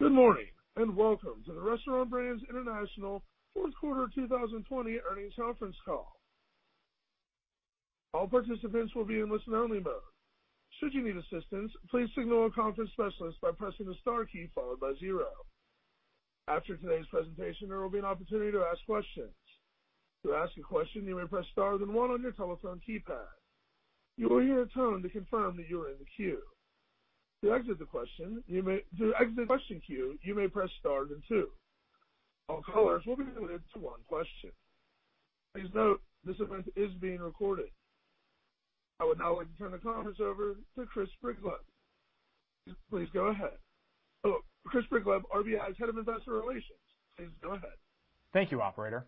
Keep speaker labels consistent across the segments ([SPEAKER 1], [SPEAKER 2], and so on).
[SPEAKER 1] Good morning, and welcome to the Restaurant Brands International fourth quarter 2020 earnings conference call. All participants will be in listen only mode. Should you need assistance, please signal a conference specialist by pressing the star key followed by zero. After today's presentation, there will be an opportunity to ask questions. To ask a question, you may press star then one on your telephone keypad. You will hear a tone to confirm that you are in the queue. To exit the question queue, you may press star then two. All callers will be limited to one question. Please note, this event is being recorded. I would now like to turn the conference over to Chris Brigleb, RBI's Head of Investor Relations. Please go ahead.
[SPEAKER 2] Thank you, operator.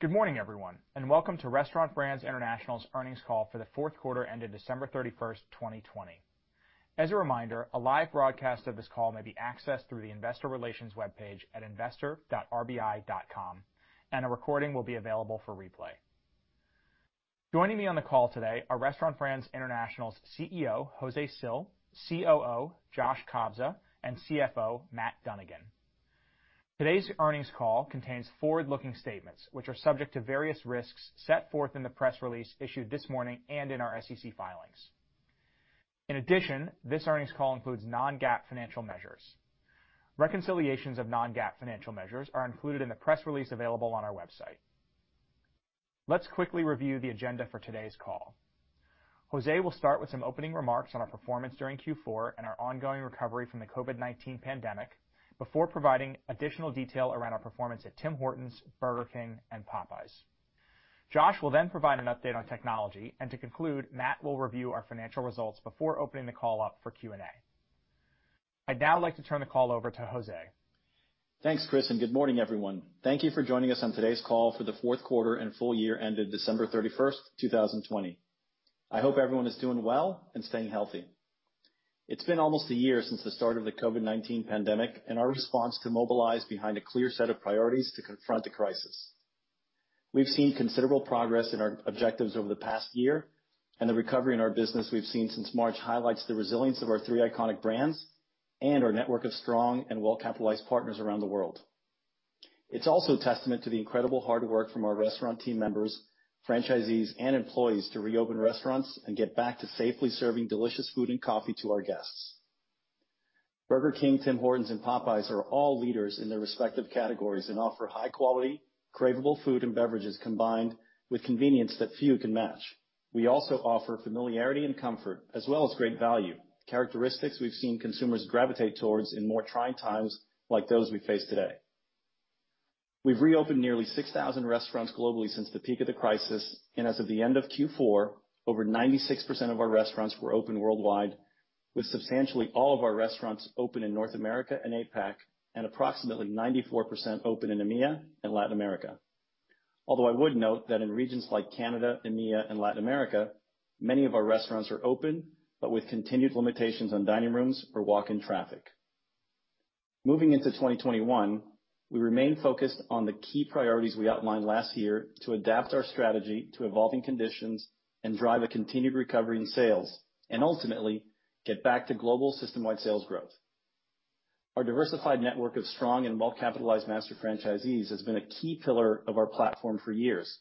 [SPEAKER 2] Good morning, everyone, and welcome to Restaurant Brands International's earnings call for the fourth quarter ended December 31st, 2020. As a reminder, a live broadcast of this call may be accessed through the investor relations webpage at investor.rbi.com, and a recording will be available for replay. Joining me on the call today are Restaurant Brands International's CEO, José Cil, COO, Josh Kobza, and CFO, Matt Dunnigan. Today's earnings call contains forward-looking statements, which are subject to various risks set forth in the press release issued this morning and in our SEC filings. In addition, this earnings call includes non-GAAP financial measures. Reconciliations of non-GAAP financial measures are included in the press release available on our website. Let's quickly review the agenda for today's call. José will start with some opening remarks on our performance during Q4 and our ongoing recovery from the COVID-19 pandemic before providing additional detail around our performance at Tim Hortons, Burger King, and Popeyes. Josh will provide an update on technology. To conclude, Matt will review our financial results before opening the call up for Q&A. I'd now like to turn the call over to José.
[SPEAKER 3] Thanks, Chris, and good morning, everyone. Thank you for joining us on today's call for the fourth quarter and full year ended December 31st, 2020. I hope everyone is doing well and staying healthy. It's been almost a year since the start of the COVID-19 pandemic, and our response to mobilize behind a clear set of priorities to confront the crisis. We've seen considerable progress in our objectives over the past year, and the recovery in our business we've seen since March highlights the resilience of our three iconic brands and our network of strong and well-capitalized partners around the world. It's also a testament to the incredible hard work from our restaurant team members, franchisees, and employees to reopen restaurants and get back to safely serving delicious food and coffee to our guests. Burger King, Tim Hortons, and Popeyes are all leaders in their respective categories and offer high quality, craveable food and beverages combined with convenience that few can match. We also offer familiarity and comfort as well as great value, characteristics we've seen consumers gravitate towards in more trying times like those we face today. We've reopened nearly 6,000 restaurants globally since the peak of the crisis, and as of the end of Q4, over 96% of our restaurants were open worldwide, with substantially all of our restaurants open in North America and APAC, and approximately 94% open in EMEA and Latin America. Although I would note that in regions like Canada, EMEA, and Latin America, many of our restaurants are open, but with continued limitations on dining rooms or walk-in traffic. Moving into 2021, we remain focused on the key priorities we outlined last year to adapt our strategy to evolving conditions and drive a continued recovery in sales, and ultimately get back to global system-wide sales growth. Our diversified network of strong and well-capitalized master franchisees has been a key pillar of our platform for years,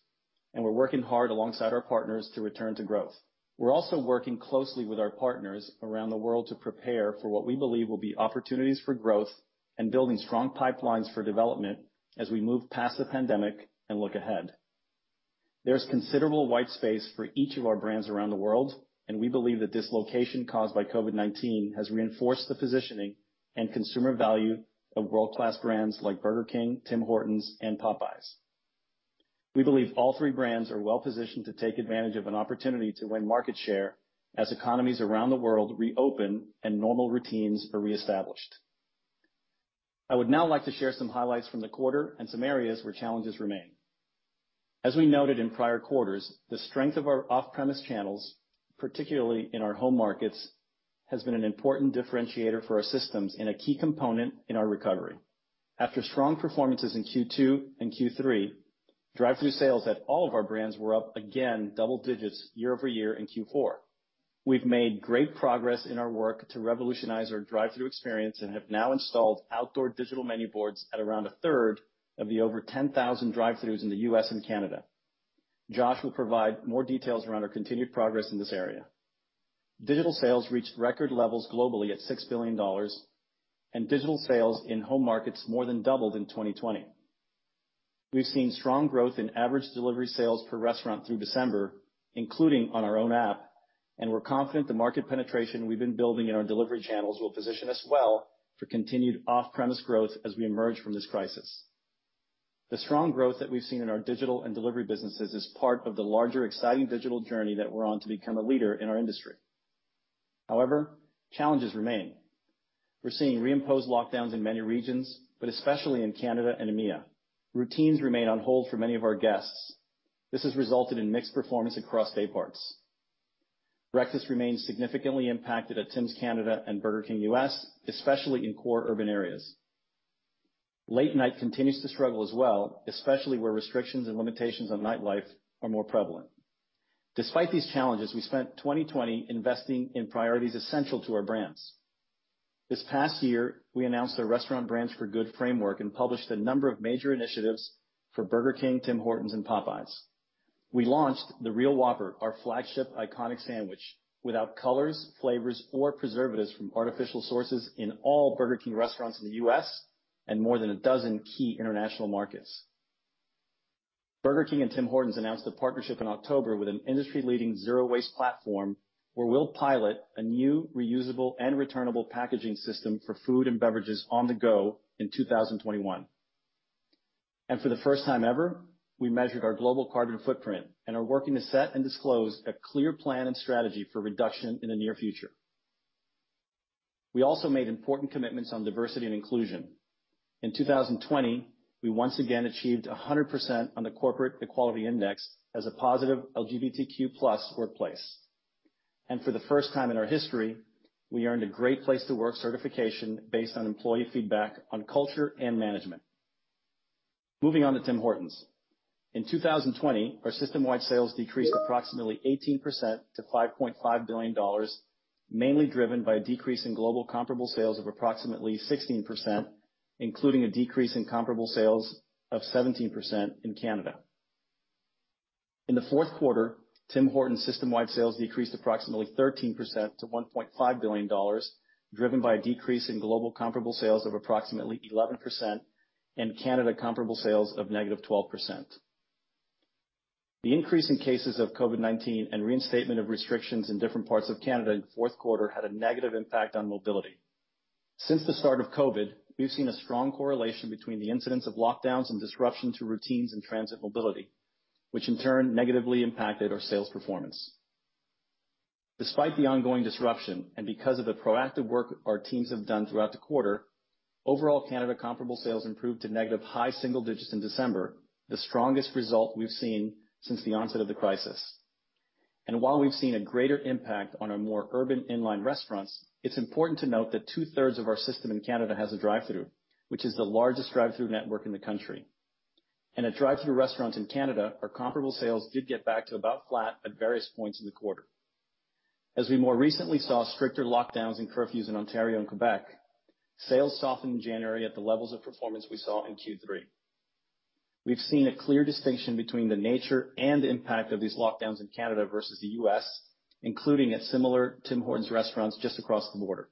[SPEAKER 3] and we're working hard alongside our partners to return to growth. We're also working closely with our partners around the world to prepare for what we believe will be opportunities for growth and building strong pipelines for development as we move past the pandemic and look ahead. There's considerable white space for each of our brands around the world, and we believe that dislocation caused by COVID-19 has reinforced the positioning and consumer value of world-class brands like Burger King, Tim Hortons, and Popeyes. We believe all three brands are well-positioned to take advantage of an opportunity to win market share as economies around the world reopen and normal routines are reestablished. I would now like to share some highlights from the quarter and some areas where challenges remain. As we noted in prior quarters, the strength of our off-premise channels, particularly in our home markets, has been an important differentiator for our systems and a key component in our recovery. After strong performances in Q2 and Q3, drive-thru sales at all of our brands were up again double digits year-over-year in Q4. We've made great progress in our work to revolutionize our drive-thru experience and have now installed outdoor digital menu boards at around 1/3 of the over 10,000 drive-thrus in the U.S. and Canada. Josh will provide more details around our continued progress in this area. Digital sales reached record levels globally at $6 billion. Digital sales in home markets more than doubled in 2020. We've seen strong growth in average delivery sales per restaurant through December, including on our own app. We're confident the market penetration we've been building in our delivery channels will position us well for continued off-premise growth as we emerge from this crisis. The strong growth that we've seen in our digital and delivery businesses is part of the larger, exciting digital journey that we're on to become a leader in our industry. However, challenges remain. We're seeing reimposed lockdowns in many regions, especially in Canada and EMEA. Routines remain on hold for many of our guests. This has resulted in mixed performance across day parts. Breakfast remains significantly impacted at Tim's Canada and Burger King U.S., especially in core urban areas. Late night continues to struggle as well, especially where restrictions and limitations on nightlife are more prevalent. Despite these challenges, we spent 2020 investing in priorities essential to our brands. This past year, we announced the Restaurant Brands for Good framework and published a number of major initiatives for Burger King, Tim Hortons, and Popeyes. We launched the Real Whopper, our flagship iconic sandwich, without colors, flavors, or preservatives from artificial sources in all Burger King restaurants in the U.S. and more than a dozen key international markets. Burger King and Tim Hortons announced a partnership in October with an industry-leading zero-waste platform, where we'll pilot a new reusable and returnable packaging system for food and beverages on the go in 2021. For the first time ever, we measured our global carbon footprint and are working to set and disclose a clear plan and strategy for reduction in the near future. We also made important commitments on diversity and inclusion. In 2020, we once again achieved 100% on the Corporate Equality Index as a positive LGBTQ+ workplace. For the first time in our history, we earned a Great Place to Work certification based on employee feedback on culture and management. Moving on to Tim Hortons. In 2020, our system-wide sales decreased approximately 18% to $5.5 billion, mainly driven by a decrease in global comparable sales of approximately 16%, including a decrease in comparable sales of 17% in Canada. In the fourth quarter, Tim Hortons system-wide sales decreased approximately 13% to $1.5 billion, driven by a decrease in global comparable sales of approximately 11% and Canada comparable sales of negative 12%. The increase in cases of COVID-19 and reinstatement of restrictions in different parts of Canada in the fourth quarter had a negative impact on mobility. Since the start of COVID, we've seen a strong correlation between the incidents of lockdowns and disruption to routines and transit mobility, which in turn negatively impacted our sales performance. Despite the ongoing disruption and because of the proactive work our teams have done throughout the quarter, overall Canada comparable sales improved to negative high single digits in December, the strongest result we've seen since the onset of the crisis. While we've seen a greater impact on our more urban in-line restaurants, it's important to note that two-thirds of our system in Canada has a drive-thru, which is the largest drive-thru network in the country. In a drive-thru restaurant in Canada, our comparable sales did get back to about flat at various points in the quarter. As we more recently saw stricter lockdowns and curfews in Ontario and Quebec, sales softened in January at the levels of performance we saw in Q3. We've seen a clear distinction between the nature and impact of these lockdowns in Canada versus the U.S., including at similar Tim Hortons restaurants just across the border.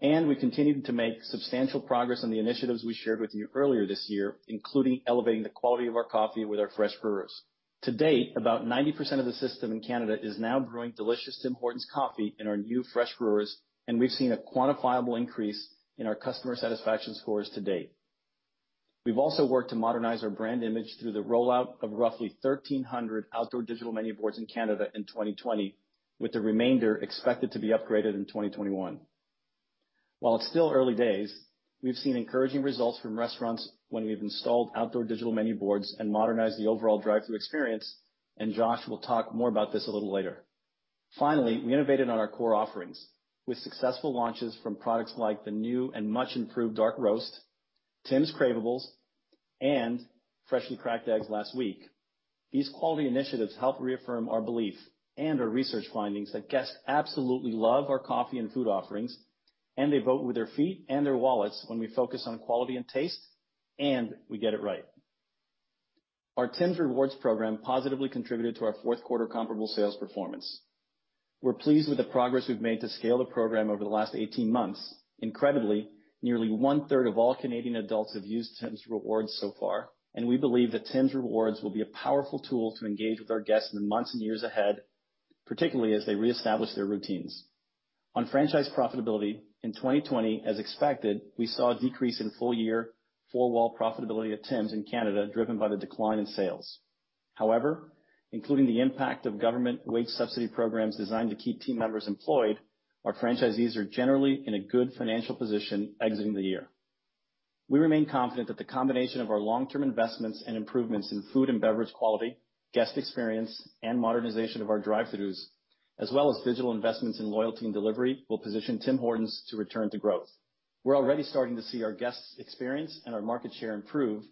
[SPEAKER 3] We continued to make substantial progress on the initiatives we shared with you earlier this year, including elevating the quality of our coffee with our fresh brewers. To date, about 90% of the system in Canada is now brewing delicious Tim Hortons coffee in our new fresh brewers, and we've seen a quantifiable increase in our customer satisfaction scores to date. We've also worked to modernize our brand image through the rollout of roughly 1,300 outdoor digital menu boards in Canada in 2020, with the remainder expected to be upgraded in 2021. While it's still early days, we've seen encouraging results from restaurants when we've installed outdoor digital menu boards and modernized the overall drive-thru experience. Josh will talk more about this a little later. Finally, we innovated on our core offerings with successful launches from products like the new and much improved Dark Roast, Tims Craveables, and freshly cracked eggs last week. These quality initiatives help reaffirm our belief and our research findings that guests absolutely love our coffee and food offerings, and they vote with their feet and their wallets when we focus on quality and taste, and we get it right. Our Tims Rewards program positively contributed to our fourth quarter comparable sales performance. We're pleased with the progress we've made to scale the program over the last 18 months. Incredibly, nearly one-third of all Canadian adults have used Tims Rewards so far, and we believe that Tims Rewards will be a powerful tool to engage with our guests in the months and years ahead, particularly as they reestablish their routines. On franchise profitability in 2020, as expected, we saw a decrease in full year, four-wall profitability at Tim's in Canada driven by the decline in sales. However, including the impact of government wage subsidy programs designed to keep team members employed, our franchisees are generally in a good financial position exiting the year. We remain confident that the combination of our long-term investments and improvements in food and beverage quality, guest experience, and modernization of our drive-thrus, as well as digital investments in loyalty and delivery, will position Tim Hortons to return to growth. We'll already starting to see our guests' experience and our market share improve,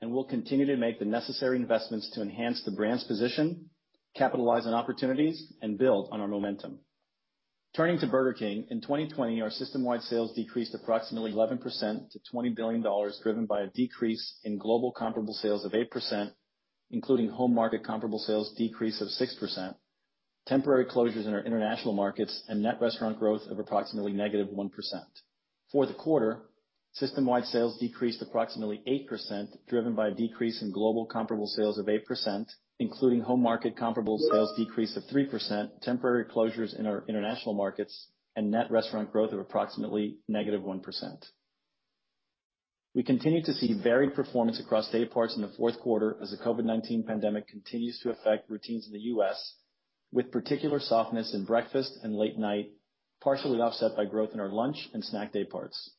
[SPEAKER 3] and we'll continue to make the necessary investments to enhance the brand's position, capitalize on opportunities, and build on our momentum. Turning to Burger King, in 2020, our system-wide sales decreased approximately 11% to $20 billion, driven by a decrease in global comparable sales of 8%, including home market comparable sales decrease of 6%, temporary closures in our international markets, and net restaurant growth of approximately -1%. For the quarter, system-wide sales decreased approximately 8%, driven by a decrease in global comparable sales of 8%, including home market comparable sales decrease of 3%, temporary closures in our international markets, and net restaurant growth of approximately -1%. We continue to see varied performance across day parts in the fourth quarter as the COVID-19 pandemic continues to affect routines in the U.S., with particular softness in breakfast and late night, partially offset by growth in our lunch and snack day parts.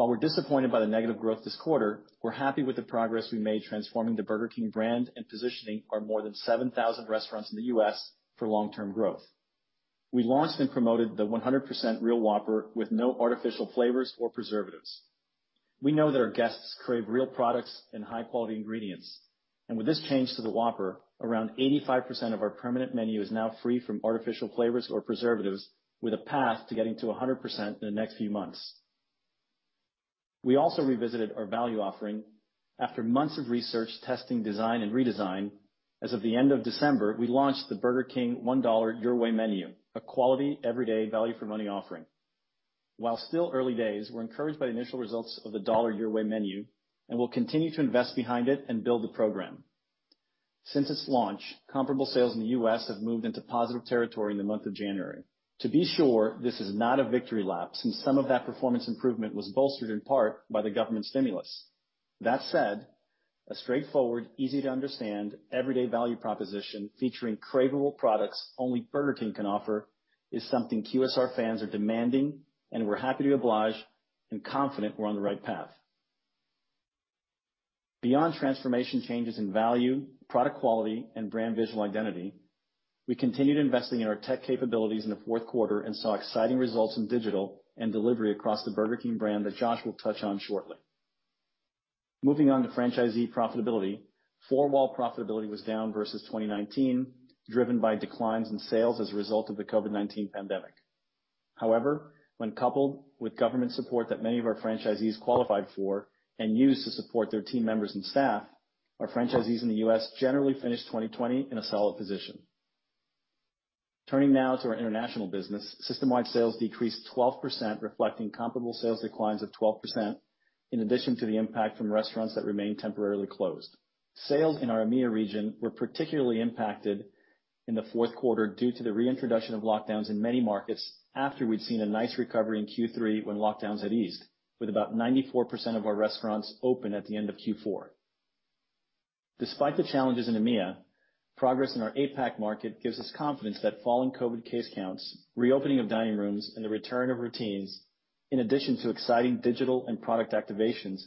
[SPEAKER 3] While we're disappointed by the negative growth this quarter, we're happy with the progress we made transforming the Burger King brand and positioning our more than 7,000 restaurants in the U.S. for long-term growth. We launched and promoted the 100% real Whopper with no artificial flavors or preservatives. We know that our guests crave real products and high-quality ingredients. With this change to the Whopper, around 85% of our permanent menu is now free from artificial flavors or preservatives, with a path to getting to 100% in the next few months. We also revisited our value offering. After months of research, testing, design, and redesign, as of the end of December, we launched the Burger King $1 Your Way Menu, a quality everyday value for money offering. While still early days, we're encouraged by the initial results of the $1 Your Way Menu, and we'll continue to invest behind it and build the program. Since its launch, comparable sales in the U.S. have moved into positive territory in the month of January. To be sure, this is not a victory lap, since some of that performance improvement was bolstered in part by the government stimulus. That said, a straightforward, easy-to-understand, everyday value proposition featuring craveable products only Burger King can offer is something QSR fans are demanding, and we're happy to oblige and confident we're on the right path. Beyond transformation changes in value, product quality, and brand visual identity, we continued investing in our tech capabilities in the fourth quarter and saw exciting results in digital and delivery across the Burger King brand that Josh will touch on shortly. Moving on to franchisee profitability. Four-wall profitability was down versus 2019, driven by declines in sales as a result of the COVID-19 pandemic. However, when coupled with government support that many of our franchisees qualified for and used to support their team members and staff, our franchisees in the U.S. generally finished 2020 in a solid position. Turning now to our international business, system-wide sales decreased 12%, reflecting comparable sales declines of 12%, in addition to the impact from restaurants that remain temporarily closed. Sales in our EMEA region were particularly impacted in the fourth quarter due to the reintroduction of lockdowns in many markets after we'd seen a nice recovery in Q3 when lockdowns had eased, with about 94% of our restaurants open at the end of Q4. Despite the challenges in EMEA, progress in our APAC market gives us confidence that falling COVID case counts, reopening of dining rooms, and the return of routines, in addition to exciting digital and product activations,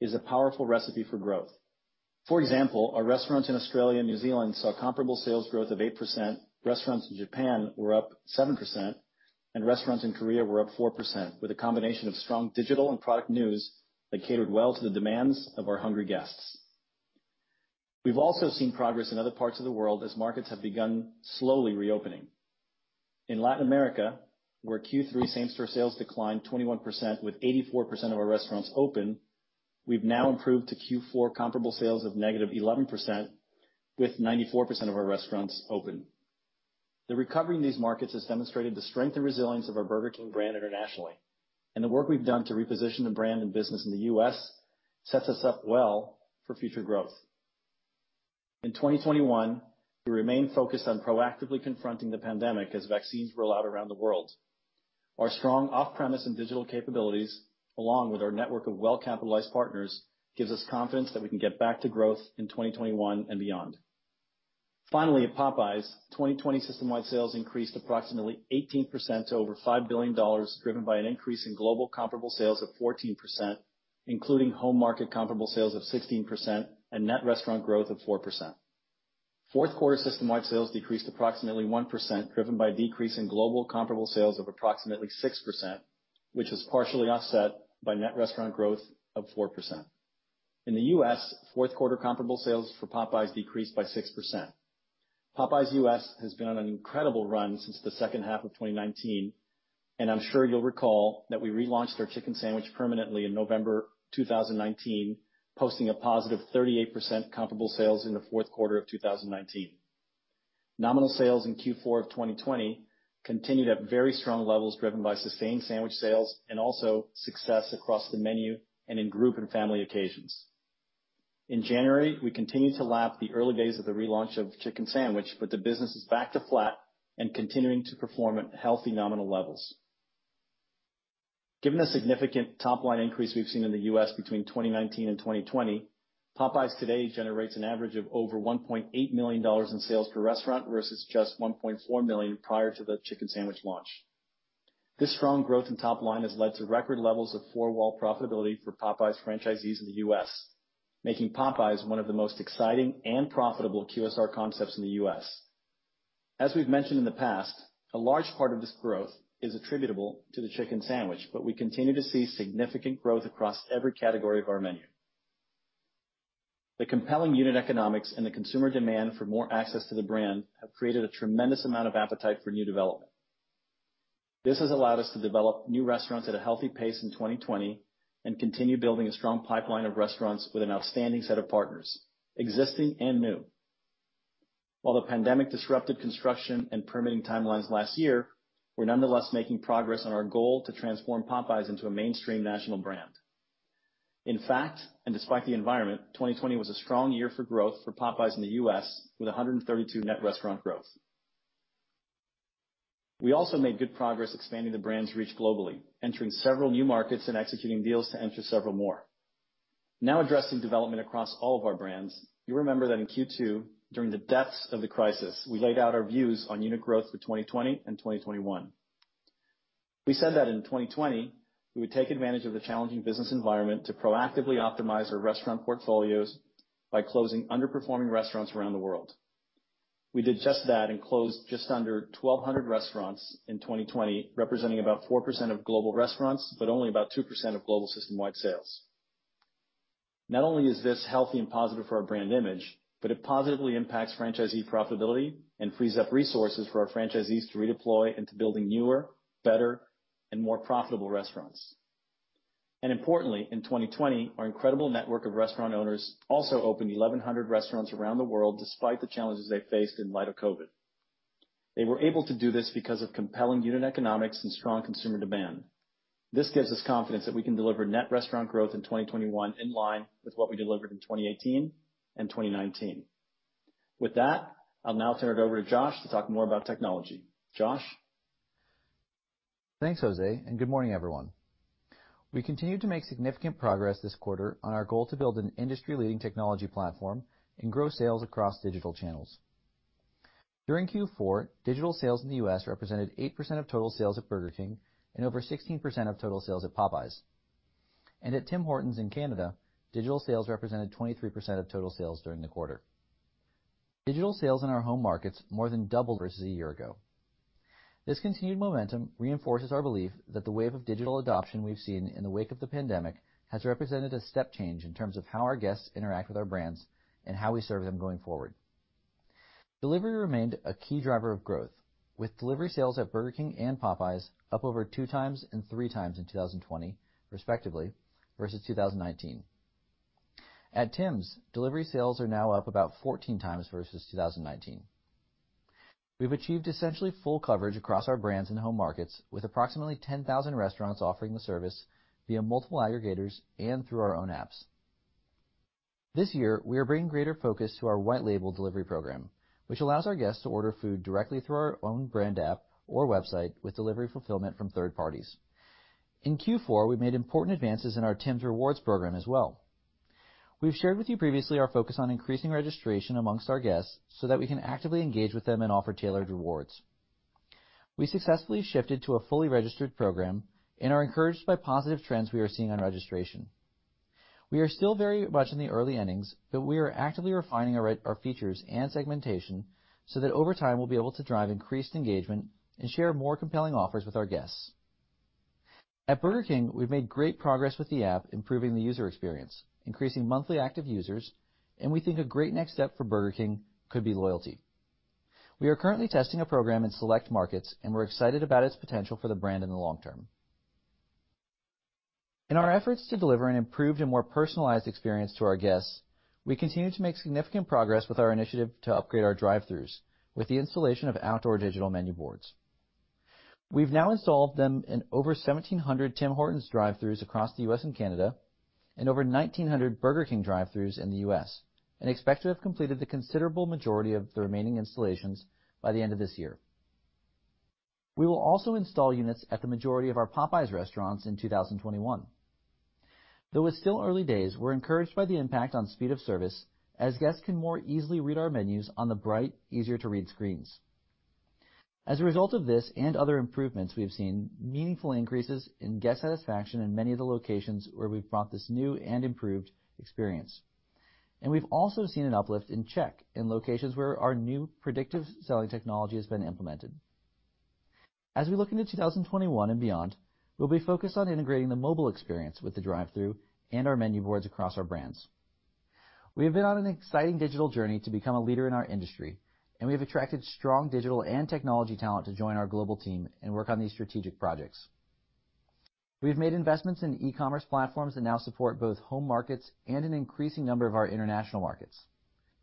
[SPEAKER 3] is a powerful recipe for growth. For example, our restaurants in Australia and New Zealand saw comparable sales growth of 8%, restaurants in Japan were up 7%, and restaurants in Korea were up 4%, with a combination of strong digital and product news that catered well to the demands of our hungry guests. We've also seen progress in other parts of the world as markets have begun slowly reopening. In Latin America, where Q3 same store sales declined 21% with 84% of our restaurants open, we've now improved to Q4 comparable sales of -11%, with 94% of our restaurants open. The recovery in these markets has demonstrated the strength and resilience of our Burger King brand internationally, and the work we've done to reposition the brand and business in the U.S. sets us up well for future growth. In 2021, we remain focused on proactively confronting the pandemic as vaccines roll out around the world. Our strong off-premise and digital capabilities, along with our network of well-capitalized partners, gives us confidence that we can get back to growth in 2021 and beyond. Finally, at Popeyes, 2020 system-wide sales increased approximately 18% to over $5 billion, driven by an increase in global comparable sales of 14%, including home market comparable sales of 16% and net restaurant growth of 4%. Fourth quarter system-wide sales decreased approximately 1%, driven by a decrease in global comparable sales of approximately 6%, which was partially offset by net restaurant growth of 4%. In the U.S., fourth quarter comparable sales for Popeyes decreased by 6%. Popeyes U.S. has been on an incredible run since the second half of 2019, and I'm sure you'll recall that we relaunched their chicken sandwich permanently in November 2019, posting a +38% comparable sales in the fourth quarter of 2019. Nominal sales in Q4 of 2020 continued at very strong levels, driven by sustained sandwich sales and also success across the menu and in group and family occasions. In January, we continued to lap the early days of the relaunch of chicken sandwich, but the business is back to flat and continuing to perform at healthy nominal levels. Given the significant top-line increase we've seen in the U.S. between 2019 and 2020, Popeyes today generates an average of over $1.8 million in sales per restaurant, versus just $1.4 million prior to the chicken sandwich launch. This strong growth in top line has led to record levels of four-wall profitability for Popeyes franchisees in the U.S., making Popeyes one of the most exciting and profitable QSR concepts in the U.S. As we've mentioned in the past, a large part of this growth is attributable to the chicken sandwich, but we continue to see significant growth across every category of our menu. The compelling unit economics and the consumer demand for more access to the brand have created a tremendous amount of appetite for new development. This has allowed us to develop new restaurants at a healthy pace in 2020 and continue building a strong pipeline of restaurants with an outstanding set of partners, existing and new. While the pandemic disrupted construction and permitting timelines last year, we're nonetheless making progress on our goal to transform Popeyes into a mainstream national brand. In fact, and despite the environment, 2020 was a strong year for growth for Popeyes in the U.S., with 132 net restaurant growth. We also made good progress expanding the brand's reach globally, entering several new markets and executing deals to enter several more. Now addressing development across all of our brands, you'll remember that in Q2, during the depths of the crisis, we laid out our views on unit growth for 2020 and 2021. We said that in 2020, we would take advantage of the challenging business environment to proactively optimize our restaurant portfolios by closing underperforming restaurants around the world. We did just that and closed just under 1,200 restaurants in 2020, representing about 4% of global restaurants, but only about 2% of global system-wide sales. Not only is this healthy and positive for our brand image, but it positively impacts franchisee profitability and frees up resources for our franchisees to redeploy into building newer, better, and more profitable restaurants. Importantly, in 2020, our incredible network of restaurant owners also opened 1,100 restaurants around the world, despite the challenges they faced in light of COVID. They were able to do this because of compelling unit economics and strong consumer demand. This gives us confidence that we can deliver net restaurant growth in 2021 in line with what we delivered in 2018 and 2019. With that, I'll now turn it over to Josh to talk more about technology. Josh?
[SPEAKER 4] Thanks, José, good morning, everyone. We continue to make significant progress this quarter on our goal to build an industry-leading technology platform and grow sales across digital channels. During Q4, digital sales in the U.S. represented 8% of total sales at Burger King and over 16% of total sales at Popeyes. At Tim Hortons in Canada, digital sales represented 23% of total sales during the quarter. Digital sales in our home markets more than doubled versus a year ago. This continued momentum reinforces our belief that the wave of digital adoption we've seen in the wake of the pandemic has represented a step change in terms of how our guests interact with our brands and how we serve them going forward. Delivery remained a key driver of growth, with delivery sales at Burger King and Popeyes up over 2x and 3x in 2020, respectively, versus 2019. At Tims, delivery sales are now up about 14x versus 2019. We've achieved essentially full coverage across our brands in the home markets with approximately 10,000 restaurants offering the service via multiple aggregators and through our own apps. This year, we are bringing greater focus to our white label delivery program, which allows our guests to order food directly through our own brand app or website with delivery fulfillment from third parties. In Q4, we made important advances in our Tims Rewards program as well. We've shared with you previously our focus on increasing registration amongst our guests so that we can actively engage with them and offer tailored rewards. We successfully shifted to a fully registered program and are encouraged by positive trends we are seeing on registration. We are still very much in the early innings, but we are actively refining our features and segmentation so that over time we'll be able to drive increased engagement and share more compelling offers with our guests. At Burger King, we've made great progress with the app, improving the user experience, increasing monthly active users, and we think a great next step for Burger King could be loyalty. We are currently testing a program in select markets, and we're excited about its potential for the brand in the long term. In our efforts to deliver an improved and more personalized experience to our guests, we continue to make significant progress with our initiative to upgrade our drive-throughs with the installation of outdoor digital menu boards. We've now installed them in over 1,700 Tim Hortons drive-throughs across the U.S. and Canada and over 1,900 Burger King drive-throughs in the U.S. and expect to have completed the considerable majority of the remaining installations by the end of this year. We will also install units at the majority of our Popeyes restaurants in 2021. Though it's still early days, we're encouraged by the impact on speed of service as guests can more easily read our menus on the bright, easier-to-read screens. As a result of this and other improvements, we have seen meaningful increases in guest satisfaction in many of the locations where we've brought this new and improved experience. We've also seen an uplift in check in locations where our new predictive selling technology has been implemented. As we look into 2021 and beyond, we'll be focused on integrating the mobile experience with the drive-through and our menu boards across our brands. We have been on an exciting digital journey to become a leader in our industry, and we have attracted strong digital and technology talent to join our global team and work on these strategic projects. We've made investments in e-commerce platforms that now support both home markets and an increasing number of our international markets.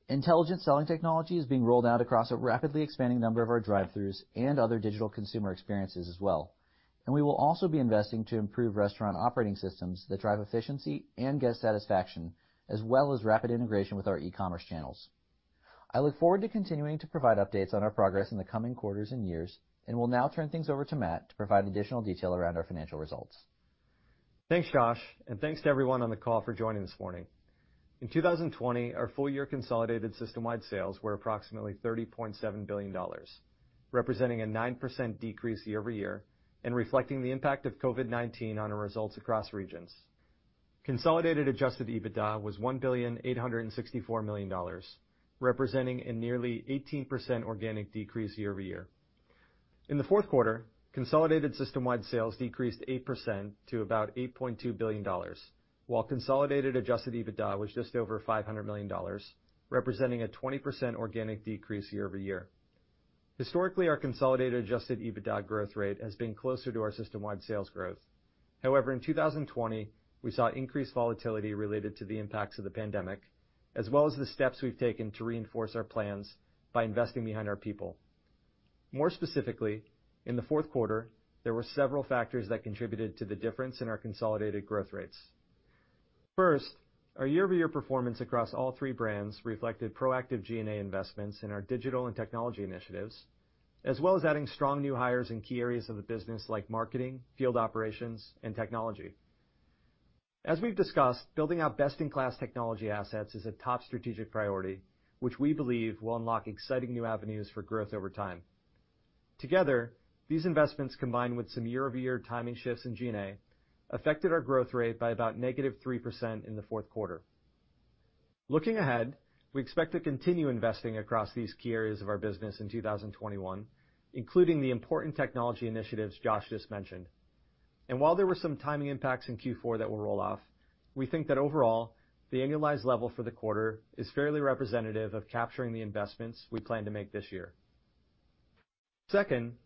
[SPEAKER 4] Intelligent selling technology is being rolled out across a rapidly expanding number of our drive-throughs and other digital consumer experiences as well. We will also be investing to improve restaurant operating systems that drive efficiency and guest satisfaction, as well as rapid integration with our e-commerce channels. I look forward to continuing to provide updates on our progress in the coming quarters and years, and will now turn things over to Matt to provide additional detail around our financial results.
[SPEAKER 5] Thanks, Josh, and thanks to everyone on the call for joining this morning. In 2020, our full year consolidated system-wide sales were approximately $30.7 billion, representing a 9% decrease year-over-year and reflecting the impact of COVID-19 on our results across regions. Consolidated adjusted EBITDA was $1.864 billion, representing a nearly 18% organic decrease year-over-year. In the fourth quarter, consolidated system-wide sales decreased 8% to about $8.2 billion, while consolidated adjusted EBITDA was just over $500 million, representing a 20% organic decrease year-over-year. Historically, our consolidated adjusted EBITDA growth rate has been closer to our system-wide sales growth. However, in 2020, we saw increased volatility related to the impacts of the pandemic, as well as the steps we've taken to reinforce our plans by investing behind our people. More specifically, in the fourth quarter, there were several factors that contributed to the difference in our consolidated growth rates. First, our year-over-year performance across all three brands reflected proactive G&A investments in our digital and technology initiatives, as well as adding strong new hires in key areas of the business like marketing, field operations, and technology. As we've discussed, building out best-in-class technology assets is a top strategic priority, which we believe will unlock exciting new avenues for growth over time. Together, these investments, combined with some year-over-year timing shifts in G&A, affected our growth rate by about -3% in the fourth quarter. Looking ahead, we expect to continue investing across these key areas of our business in 2021, including the important technology initiatives Josh just mentioned. While there were some timing impacts in Q4 that will roll off, we think that overall, the annualized level for the quarter is fairly representative of capturing the investments we plan to make this year. Second,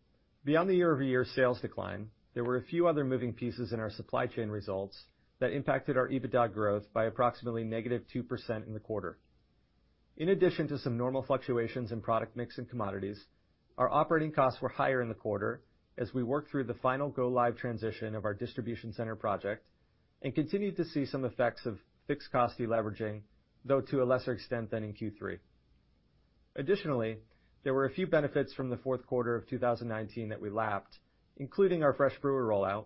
[SPEAKER 5] beyond the year-over-year sales decline, there were a few other moving pieces in our supply chain results that impacted our EBITDA growth by approximately -2% in the quarter. In addition to some normal fluctuations in product mix and commodities, our operating costs were higher in the quarter as we worked through the final go-live transition of our distribution center project and continued to see some effects of fixed cost deleveraging, though to a lesser extent than in Q3. Additionally, there were a few benefits from the fourth quarter of 2019 that we lapped, including our fresh brewer rollout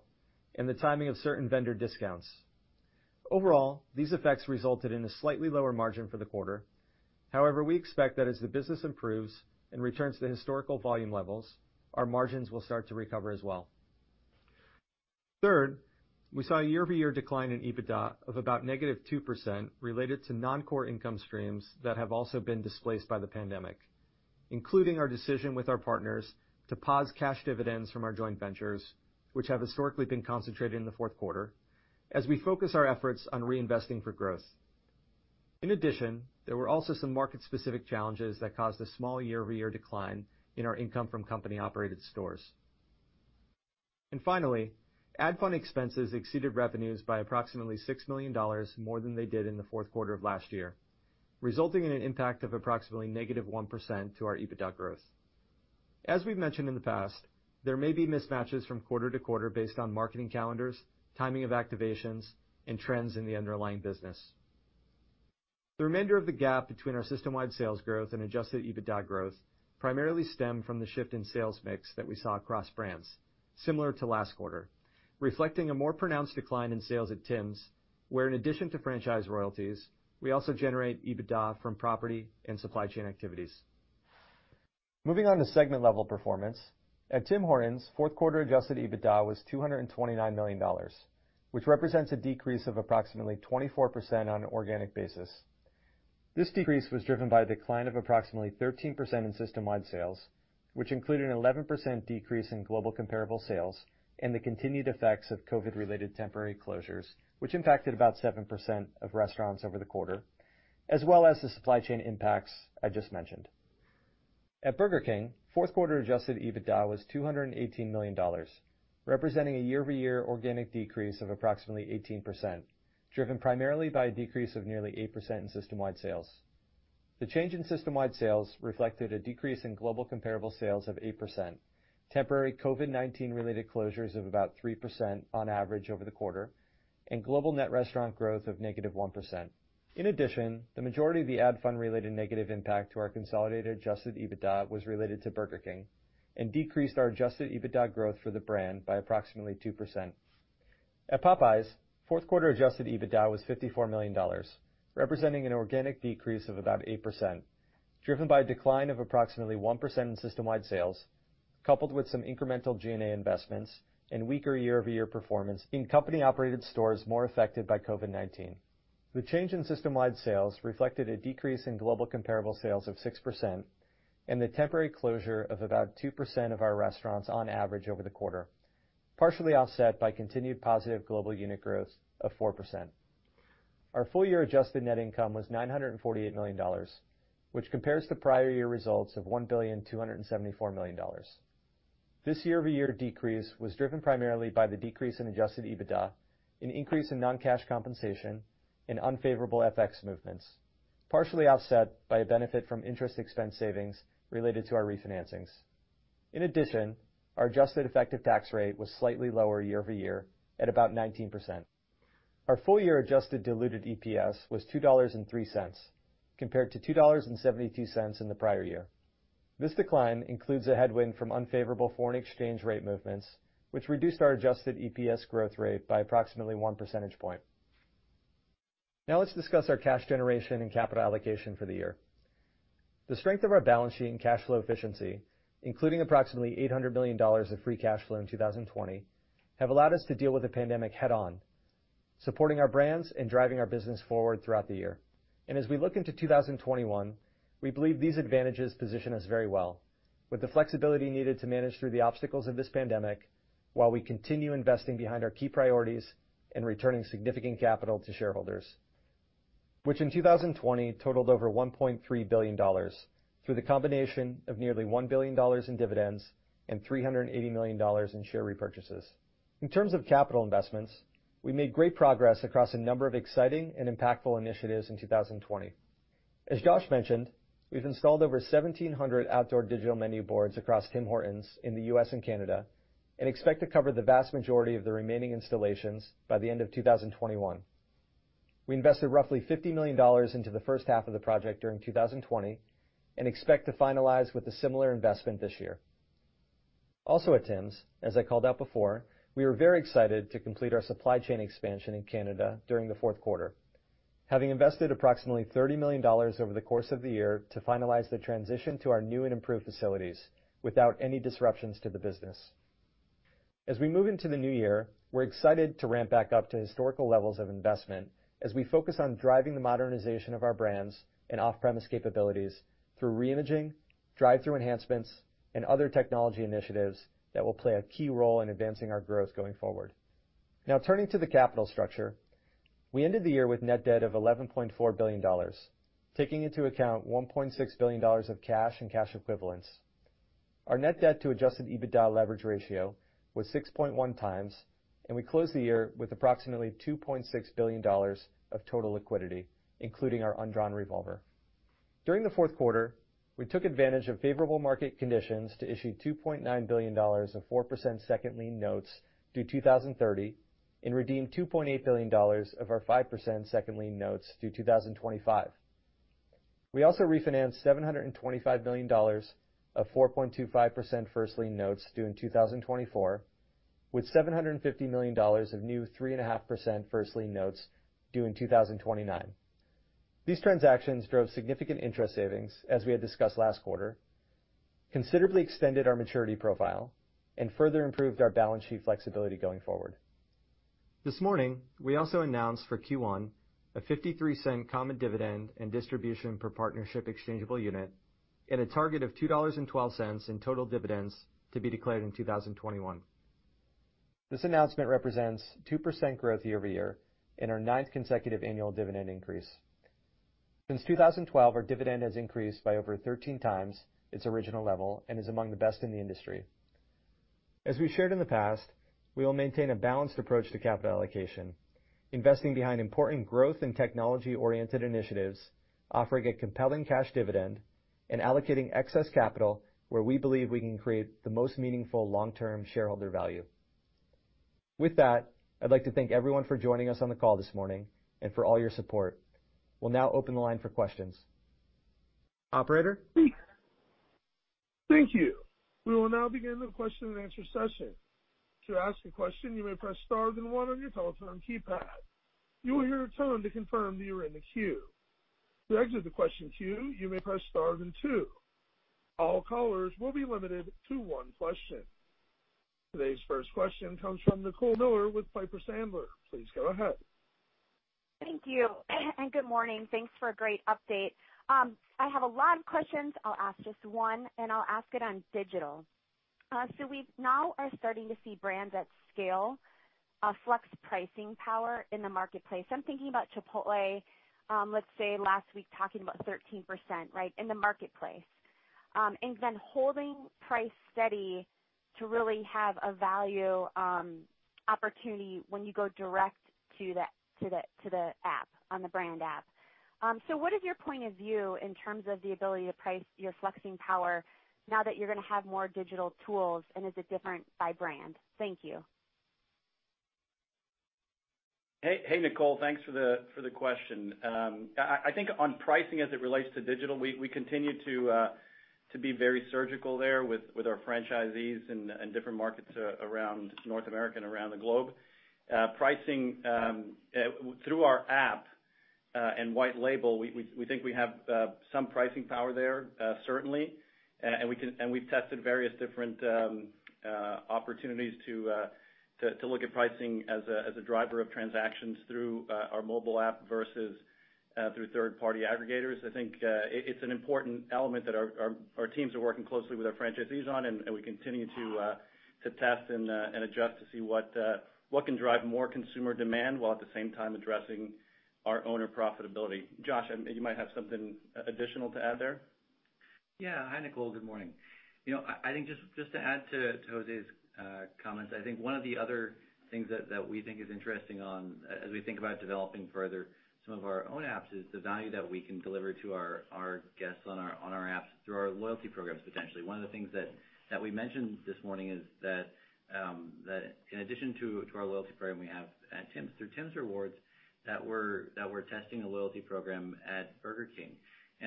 [SPEAKER 5] and the timing of certain vendor discounts. Overall, these effects resulted in a slightly lower margin for the quarter. However, we expect that as the business improves and returns to historical volume levels, our margins will start to recover as well. Third, we saw a year-over-year decline in EBITDA of about -2% related to non-core income streams that have also been displaced by the pandemic, including our decision with our partners to pause cash dividends from our joint ventures, which have historically been concentrated in the fourth quarter, as we focus our efforts on reinvesting for growth. In addition, there were also some market-specific challenges that caused a small year-over-year decline in our income from company-operated stores. Finally, ad fund expenses exceeded revenues by approximately $6 million more than they did in the fourth quarter of last year, resulting in an impact of approximately -1% to our EBITDA growth. As we've mentioned in the past, there may be mismatches from quarter to quarter based on marketing calendars, timing of activations, and trends in the underlying business. The remainder of the gap between our system-wide sales growth and adjusted EBITDA growth primarily stemmed from the shift in sales mix that we saw across brands, similar to last quarter, reflecting a more pronounced decline in sales at Tim's, where in addition to franchise royalties, we also generate EBITDA from property and supply chain activities. Moving on to segment level performance. At Tim Hortons, fourth quarter adjusted EBITDA was $229 million, which represents a decrease of approximately 24% on an organic basis. This decrease was driven by a decline of approximately 13% in system-wide sales, which included an 11% decrease in global comparable sales and the continued effects of COVID-related temporary closures, which impacted about 7% of restaurants over the quarter, as well as the supply chain impacts I just mentioned. At Burger King, fourth quarter adjusted EBITDA was $218 million, representing a year-over-year organic decrease of approximately 18%, driven primarily by a decrease of nearly 8% in system-wide sales. The change in system-wide sales reflected a decrease in global comparable sales of 8%, temporary COVID-19 related closures of about 3% on average over the quarter, and global net restaurant growth of -1%. In addition, the majority of the ad fund related negative impact to our consolidated adjusted EBITDA was related to Burger King and decreased our adjusted EBITDA growth for the brand by approximately 2%. At Popeyes, fourth quarter adjusted EBITDA was $54 million, representing an organic decrease of about 8%, driven by a decline of approximately 1% in system-wide sales, coupled with some incremental G&A investments and weaker year-over-year performance in company-operated stores more affected by COVID-19. The change in system-wide sales reflected a decrease in global comparable sales of 6% and the temporary closure of about 2% of our restaurants on average over the quarter, partially offset by continued positive global unit growth of 4%. Our full year adjusted net income was $948 million, which compares to prior year results of $1.274 billion. This year-over-year decrease was driven primarily by the decrease in adjusted EBITDA, an increase in non-cash compensation and unfavorable FX movements, partially offset by a benefit from interest expense savings related to our refinancings. In addition, our adjusted effective tax rate was slightly lower year-over-year at about 19%. Our full year adjusted diluted EPS was $2.03, compared to $2.72 in the prior year. This decline includes a headwind from unfavorable foreign exchange rate movements, which reduced our adjusted EPS growth rate by approximately one percentage point. Let's discuss our cash generation and capital allocation for the year. The strength of our balance sheet and cash flow efficiency, including approximately $800 million of free cash flow in 2020, have allowed us to deal with the pandemic head on, supporting our brands and driving our business forward throughout the year. As we look into 2021, we believe these advantages position us very well with the flexibility needed to manage through the obstacles of this pandemic while we continue investing behind our key priorities and returning significant capital to shareholders, which in 2020 totaled over $1.3 billion through the combination of nearly $1 billion in dividends and $380 million in share repurchases. In terms of capital investments, we made great progress across a number of exciting and impactful initiatives in 2020. As Josh mentioned, we've installed over 1,700 outdoor digital menu boards across Tim Hortons in the U.S. and Canada, and expect to cover the vast majority of the remaining installations by the end of 2021. We invested roughly $50 million into the first half of the project during 2020 and expect to finalize with a similar investment this year. At Tim's, as I called out before, we are very excited to complete our supply chain expansion in Canada during the fourth quarter. Having invested approximately $30 million over the course of the year to finalize the transition to our new and improved facilities without any disruptions to the business. As we move into the new year, we're excited to ramp back up to historical levels of investment as we focus on driving the modernization of our brands and off-premise capabilities through re-imaging, drive-through enhancements, and other technology initiatives that will play a key role in advancing our growth going forward. Turning to the capital structure, we ended the year with net debt of $11.4 billion, taking into account $1.6 billion of cash and cash equivalents. Our net debt to adjusted EBITDA leverage ratio was 6.1x, and we closed the year with approximately $2.6 billion of total liquidity, including our undrawn revolver. During the fourth quarter, we took advantage of favorable market conditions to issue $2.9 billion of 4% second lien notes due 2030 and redeemed $2.8 billion of our 5% second lien notes due 2025. We also refinanced $725 million of 4.25% first lien notes due in 2024, with $750 million of new 3.5% first lien notes due in 2029. These transactions drove significant interest savings, as we had discussed last quarter, considerably extended our maturity profile, and further improved our balance sheet flexibility going forward. This morning, we also announced for Q1 a $0.53 common dividend and distribution per partnership exchangeable unit and a target of $2.12 in total dividends to be declared in 2021. This announcement represents 2% growth year-over-year and our ninth consecutive annual dividend increase. Since 2012, our dividend has increased by over 13x its original level and is among the best in the industry. As we shared in the past, we will maintain a balanced approach to capital allocation, investing behind important growth and technology-oriented initiatives, offering a compelling cash dividend, and allocating excess capital where we believe we can create the most meaningful long-term shareholder value. With that, I'd like to thank everyone for joining us on the call this morning and for all your support. We'll now open the line for questions. Operator?
[SPEAKER 1] Thank you. We will now begin the question and answer session. To ask a question, you may press star then one on your telephone keypad. You will hear a tone to confirm that you're in the queue. To exit the question queue, you may press star then two. All callers will be limited to one question. Today's first question comes from Nicole Miller with Piper Sandler. Please go ahead.
[SPEAKER 6] Thank you. Good morning. Thanks for a great update. I have a lot of questions. I'll ask just one, and I'll ask it on digital. We now are starting to see brands at scale flex pricing power in the marketplace. I'm thinking about Chipotle, let's say last week, talking about 13% in the marketplace, and then holding price steady to really have a value opportunity when you go direct to the app, on the brand app. What is your point of view in terms of the ability to price your flexing power now that you're going to have more digital tools, and is it different by brand? Thank you.
[SPEAKER 3] Hey, Nicole. Thanks for the question. I think on pricing as it relates to digital, we continue to be very surgical there with our franchisees in different markets around North America and around the globe. Through our app and white label, we think we have some pricing power there, certainly, and we've tested various different opportunities to look at pricing as a driver of transactions through our mobile app versus through third-party aggregators. I think it's an important element that our teams are working closely with our franchisees on, and we continue to test and adjust to see what can drive more consumer demand, while at the same time addressing our owner profitability. Josh, you might have something additional to add there.
[SPEAKER 4] Yeah. Hi, Nicole. Good morning. I think just to add to José's comments, I think one of the other things that we think is interesting as we think about developing further some of our own apps, is the value that we can deliver to our guests on our apps through our loyalty programs, potentially. One of the things that we mentioned this morning is that in addition to our loyalty program we have through Tims Rewards, that we're testing a loyalty program at Burger King.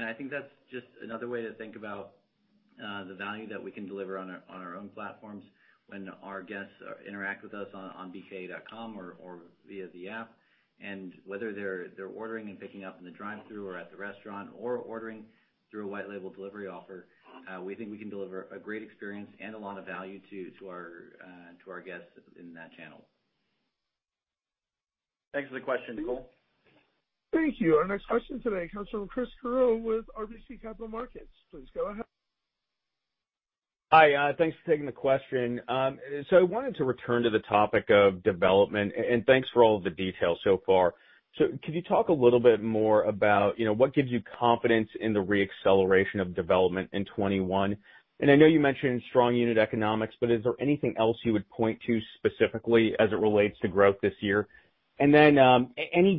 [SPEAKER 4] I think that's just another way to think about the value that we can deliver on our own platforms when our guests interact with us on bk.com or via the app, and whether they're ordering and picking up in the drive-through or at the restaurant, or ordering through a white label delivery offer. We think we can deliver a great experience and a lot of value to our guests in that channel.
[SPEAKER 3] Thanks for the question, Nicole.
[SPEAKER 1] Thank you. Our next question today comes from Chris Carril with RBC Capital Markets. Please go ahead.
[SPEAKER 7] Hi. Thanks for taking the question. I wanted to return to the topic of development, and thanks for all of the details so far. Could you talk a little bit more about what gives you confidence in the re-acceleration of development in 2021? I know you mentioned strong unit economics, but is there anything else you would point to specifically as it relates to growth this year? Any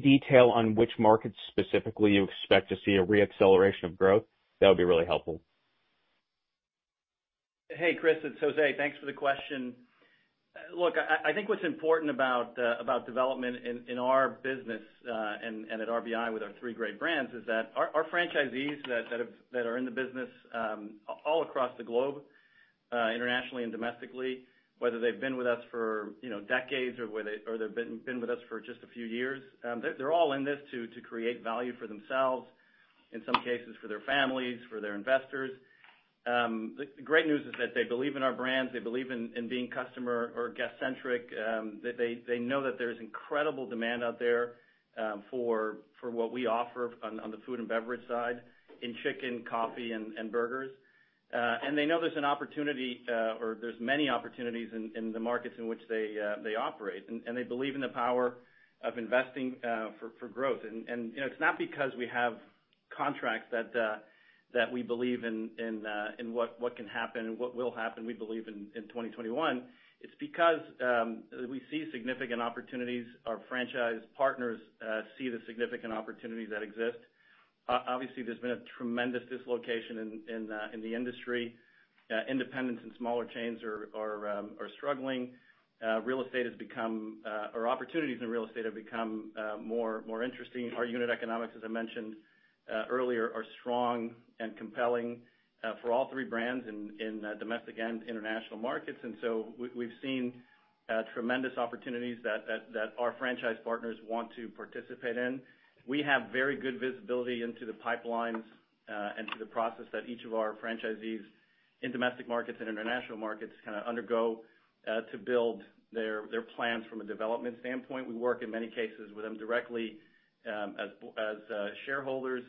[SPEAKER 7] detail on which markets specifically you expect to see a re-acceleration of growth? That would be really helpful.
[SPEAKER 3] Hey, Chris. It's José. Thanks for the question. I think what's important about development in our business, and at RBI with our three great brands, is that our franchisees that are in the business all across the globe internationally and domestically, whether they've been with us for decades or whether they've been with us for just a few years, they're all in this to create value for themselves, in some cases for their families, for their investors. The great news is that they believe in our brands. They believe in being customer or guest-centric. They know that there's incredible demand out there for what we offer on the food and beverage side, in chicken, coffee, and burgers. They know there's an opportunity, or there's many opportunities in the markets in which they operate, and they believe in the power of investing for growth. It's not because we have contracts that we believe in what can happen and what will happen we believe in 2021. It's because we see significant opportunities. Our franchise partners see the significant opportunities that exist. Obviously, there's been a tremendous dislocation in the industry. Independents and smaller chains are struggling. Opportunities in real estate have become more interesting. Our unit economics, as I mentioned earlier, are strong and compelling for all three brands in domestic and international markets. We've seen tremendous opportunities that our franchise partners want to participate in. We have very good visibility into the pipelines and to the process that each of our franchisees in domestic markets and international markets kind of undergo to build their plans from a development standpoint. We work in many cases with them directly as shareholders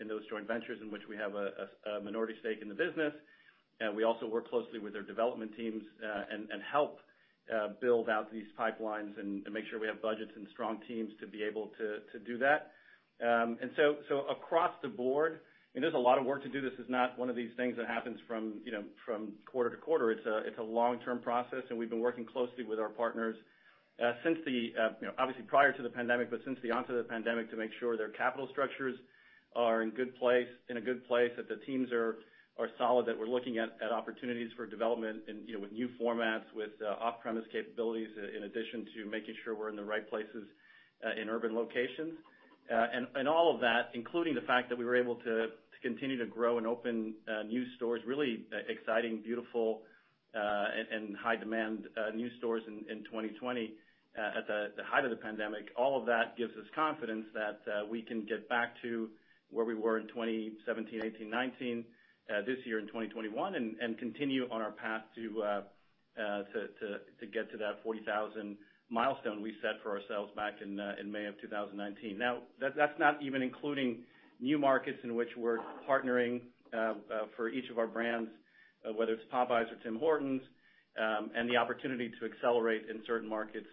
[SPEAKER 3] in those joint ventures in which we have a minority stake in the business. We also work closely with their development teams and help build out these pipelines and make sure we have budgets and strong teams to be able to do that. Across the board, and there's a lot of work to do, this is not one of these things that happens from quarter to quarter. It's a long-term process, and we've been working closely with our partners obviously prior to the pandemic, but since the onset of the pandemic, to make sure their capital structures are in a good place, that the teams are solid, that we're looking at opportunities for development and with new formats, with off-premise capabilities, in addition to making sure we're in the right places in urban locations. All of that, including the fact that we were able to continue to grow and open new stores, really exciting, beautiful, and high demand new stores in 2020 at the height of the pandemic, all of that gives us confidence that we can get back to where we were in 2017, 2018, 2019, this year in 2021, and continue on our path to get to that 40,000 milestone we set for ourselves back in May of 2019. That's not even including new markets in which we're partnering for each of our brands, whether it's Popeyes or Tim Hortons, and the opportunity to accelerate in certain markets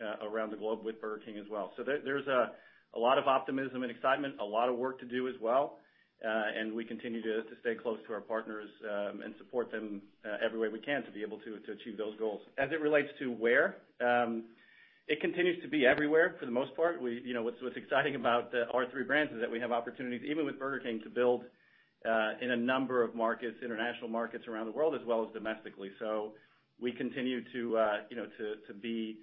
[SPEAKER 3] around the globe with Burger King as well. There's a lot of optimism and excitement, a lot of work to do as well, and we continue to stay close to our partners and support them every way we can to be able to achieve those goals. As it relates to where, it continues to be everywhere for the most part. What's exciting about our three brands is that we have opportunities, even with Burger King, to build in a number of markets, international markets around the world, as well as domestically. We continue to be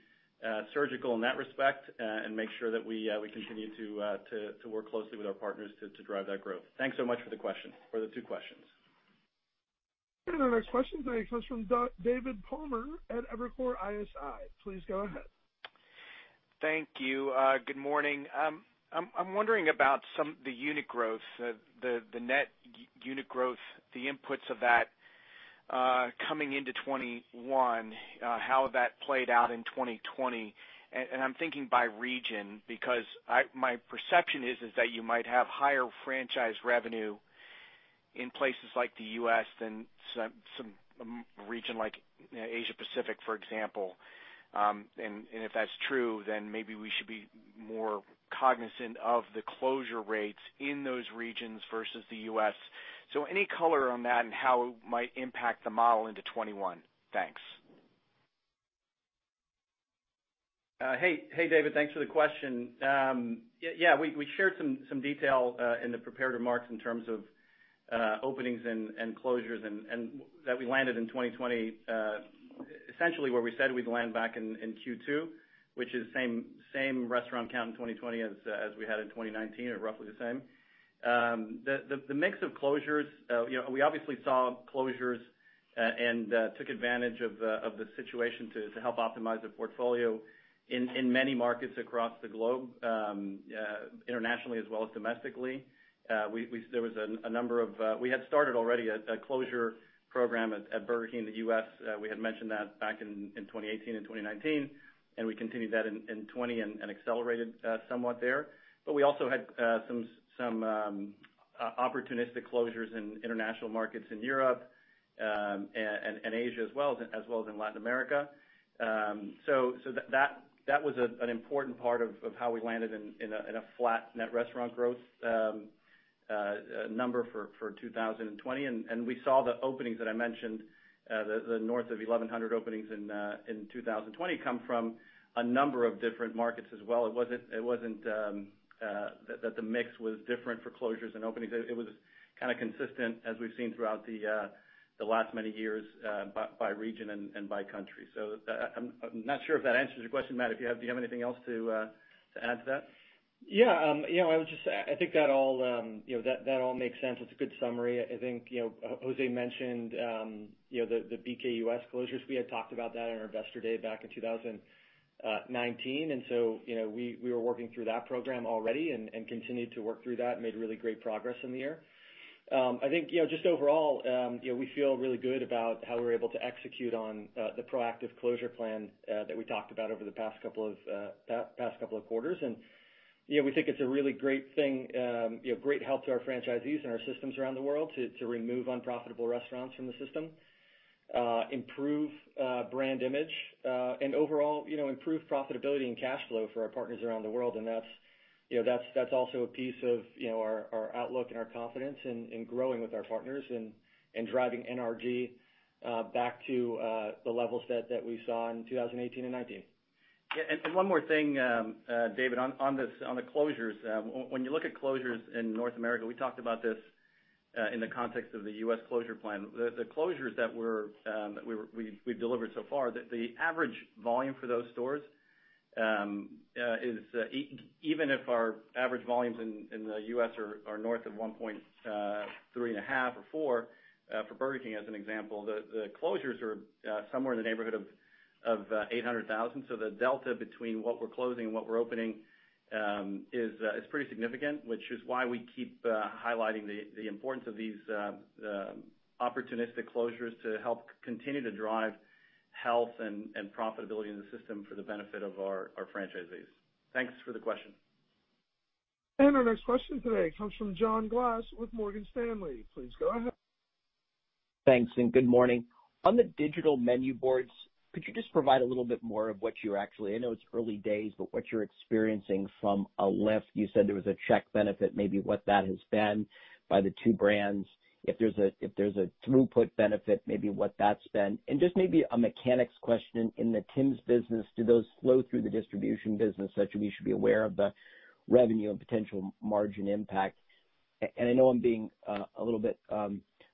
[SPEAKER 3] surgical in that respect and make sure that we continue to work closely with our partners to drive that growth. Thanks so much for the question, for the two questions.
[SPEAKER 1] Our next question comes from David Palmer at Evercore ISI. Please go ahead.
[SPEAKER 8] Thank you. Good morning. I'm wondering about some of the unit growth, the net unit growth, the inputs of that coming into 2021, how that played out in 2020. I'm thinking by region, because my perception is that you might have higher franchise revenue in places like the U.S. than some region like Asia Pacific, for example. If that's true, maybe we should be more cognizant of the closure rates in those regions versus the U.S. Any color on that and how it might impact the model into 2021? Thanks.
[SPEAKER 3] Hey, David. Thanks for the question. Yeah. We shared some detail in the prepared remarks in terms of openings and closures. We landed in 2020, essentially where we said we'd land back in Q2, which is same restaurant count in 2020 as we had in 2019, or roughly the same. The mix of closures, we obviously saw closures and took advantage of the situation to help optimize the portfolio in many markets across the globe, internationally as well as domestically. We had started already a closure program at Burger King in the U.S. We had mentioned that back in 2018 and 2019. We continued that in 2020 and accelerated somewhat there. We also had some opportunistic closures in international markets in Europe and Asia as well, as well as in Latin America. That was an important part of how we landed in a flat net restaurant growth number for 2020. We saw the openings that I mentioned, the north of 1,100 openings in 2020 come from a number of different markets as well. It wasn't that the mix was different for closures and openings. It was kind of consistent as we've seen throughout the last many years by region and by country. I'm not sure if that answers your question. Matt, do you have anything else to add to that?
[SPEAKER 5] Yeah. I think that all makes sense. It's a good summary. I think José mentioned the BK US closures. We had talked about that on our Investor Day back in 2019, and so we were working through that program already and continued to work through that, and made really great progress in the year. I think, just overall, we feel really good about how we were able to execute on the proactive closure plan that we talked about over the past couple of quarters. We think it's a really great thing, great help to our franchisees and our systems around the world to remove unprofitable restaurants from the system, improve brand image, and overall improve profitability and cash flow for our partners around the world. That's also a piece of our outlook and our confidence in growing with our partners and driving NRG back to the levels that we saw in 2018 and 2019.
[SPEAKER 3] Yeah. One more thing, David, on the closures. When you look at closures in North America, we talked about this in the context of the U.S. closure plan. The closures that we've delivered so far, the average volume for those stores, even if our average volumes in the U.S. are north of 1.35 or 1.4 for Burger King, as an example, the closures are somewhere in the neighborhood of 800,000. The delta between what we're closing and what we're opening is pretty significant, which is why we keep highlighting the importance of these opportunistic closures to help continue to drive health and profitability in the system for the benefit of our franchisees. Thanks for the question.
[SPEAKER 1] Our next question today comes from John Glass with Morgan Stanley. Please go ahead.
[SPEAKER 9] Thanks. Good morning. On the digital menu boards, could you just provide a little bit more of what you're experiencing from a lift. You said there was a check benefit, maybe what that has been by the two brands. If there's a throughput benefit, maybe what that's been. Just maybe a mechanics question in the Tim's business. Do those flow through the distribution business such that we should be aware of the revenue and potential margin impact? I know I'm being a little bit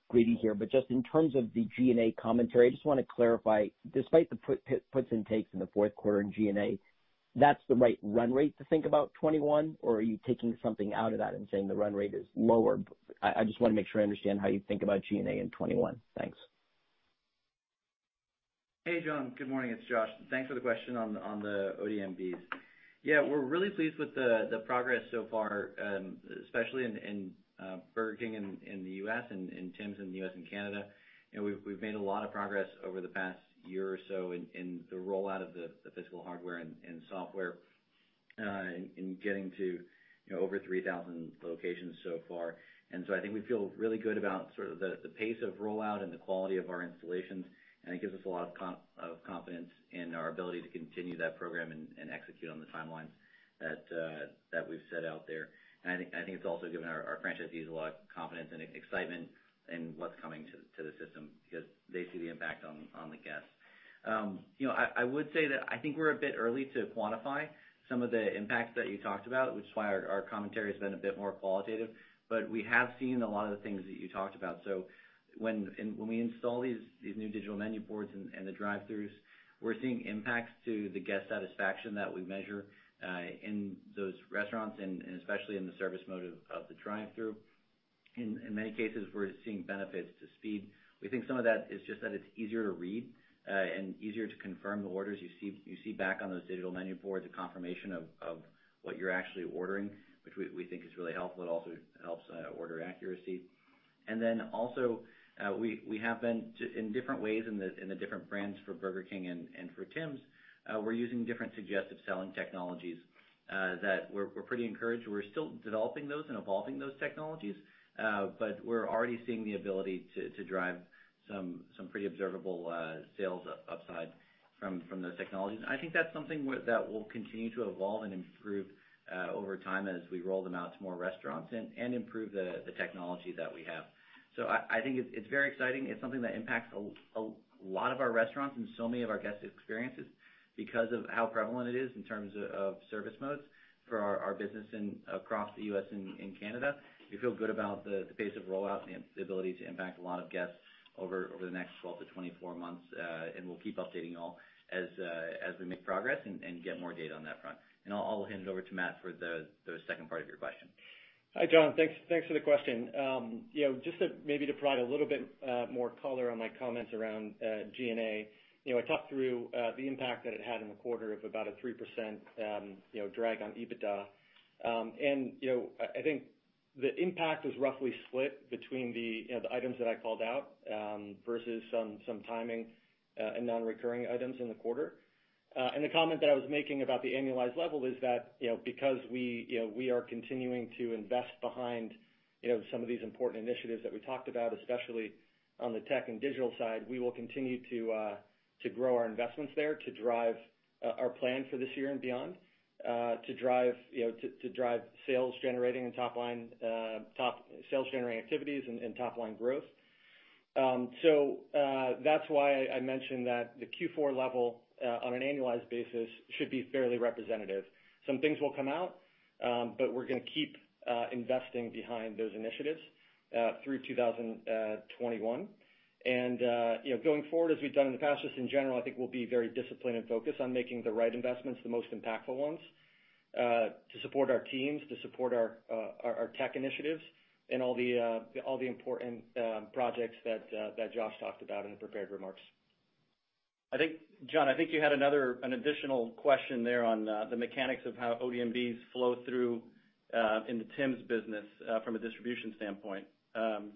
[SPEAKER 9] greedy here, but just in terms of the G&A commentary, I just want to clarify, despite the puts and takes in the fourth quarter in G&A, that's the right run rate to think about 2021, or are you taking something out of that and saying the run rate is lower? I just want to make sure I understand how you think about G&A in 2021. Thanks.
[SPEAKER 4] Hey, John. Good morning. It's Josh. Thanks for the question on the ODMBs. Yeah, we're really pleased with the progress so far, especially in Burger King in the U.S. and in Tim's in the U.S. and Canada. We've made a lot of progress over the past year or so in the rollout of the physical hardware and software in getting to over 3,000 locations so far. I think we feel really good about the pace of rollout and the quality of our installations, and it gives us a lot of confidence in our ability to continue that program and execute on the timelines that we've set out there. I think it's also given our franchisees a lot of confidence and excitement in what's coming to the system because they see the impact on the guests. I would say that I think we're a bit early to quantify some of the impacts that you talked about, which is why our commentary has been a bit more qualitative, but we have seen a lot of the things that you talked about. When we install these new digital menu boards in the drive-throughs, we're seeing impacts to the guest satisfaction that we measure in those restaurants, and especially in the service mode of the drive-through. In many cases, we're seeing benefits to speed. We think some of that is just that it's easier to read and easier to confirm the orders. You see back on those digital menu boards a confirmation of what you're actually ordering, which we think is really helpful. It also helps order accuracy. Also, we have been in different ways in the different brands for Burger King and for Tim's, we're using different suggestive selling technologies that we're pretty encouraged. We're still developing those and evolving those technologies, but we're already seeing the ability to drive some pretty observable sales upside from those technologies. I think that's something that will continue to evolve and improve over time as we roll them out to more restaurants and improve the technology that we have. I think it's very exciting. It's something that impacts a lot of our restaurants and so many of our guest experiences because of how prevalent it is in terms of service modes for our business across the U.S. and Canada. We feel good about the pace of rollout and the ability to impact a lot of guests over the next 12-24 months. We'll keep updating you all as we make progress and get more data on that front. I'll hand it over to Matt for the second part of your question.
[SPEAKER 5] Hi, John. Thanks for the question. Maybe to provide a little bit more color on my comments around G&A. I talked through the impact that it had in the quarter of about a 3% drag on EBITDA. I think the impact was roughly split between the items that I called out versus some timing and non-recurring items in the quarter. The comment that I was making about the annualized level is that because we are continuing to invest behind some of these important initiatives that we talked about, especially on the tech and digital side, we will continue to grow our investments there to drive our plan for this year and beyond, to drive sales generating activities and top-line growth. That's why I mentioned that the Q4 level on an annualized basis should be fairly representative. Some things will come out, but we're going to keep investing behind those initiatives through 2021. Going forward, as we've done in the past, just in general, I think we'll be very disciplined and focused on making the right investments, the most impactful ones. To support our teams, to support our tech initiatives, and all the important projects that Josh talked about in the prepared remarks.
[SPEAKER 3] John, I think you had an additional question there on the mechanics of how ODMBs flow through in the Tim's business from a distribution standpoint.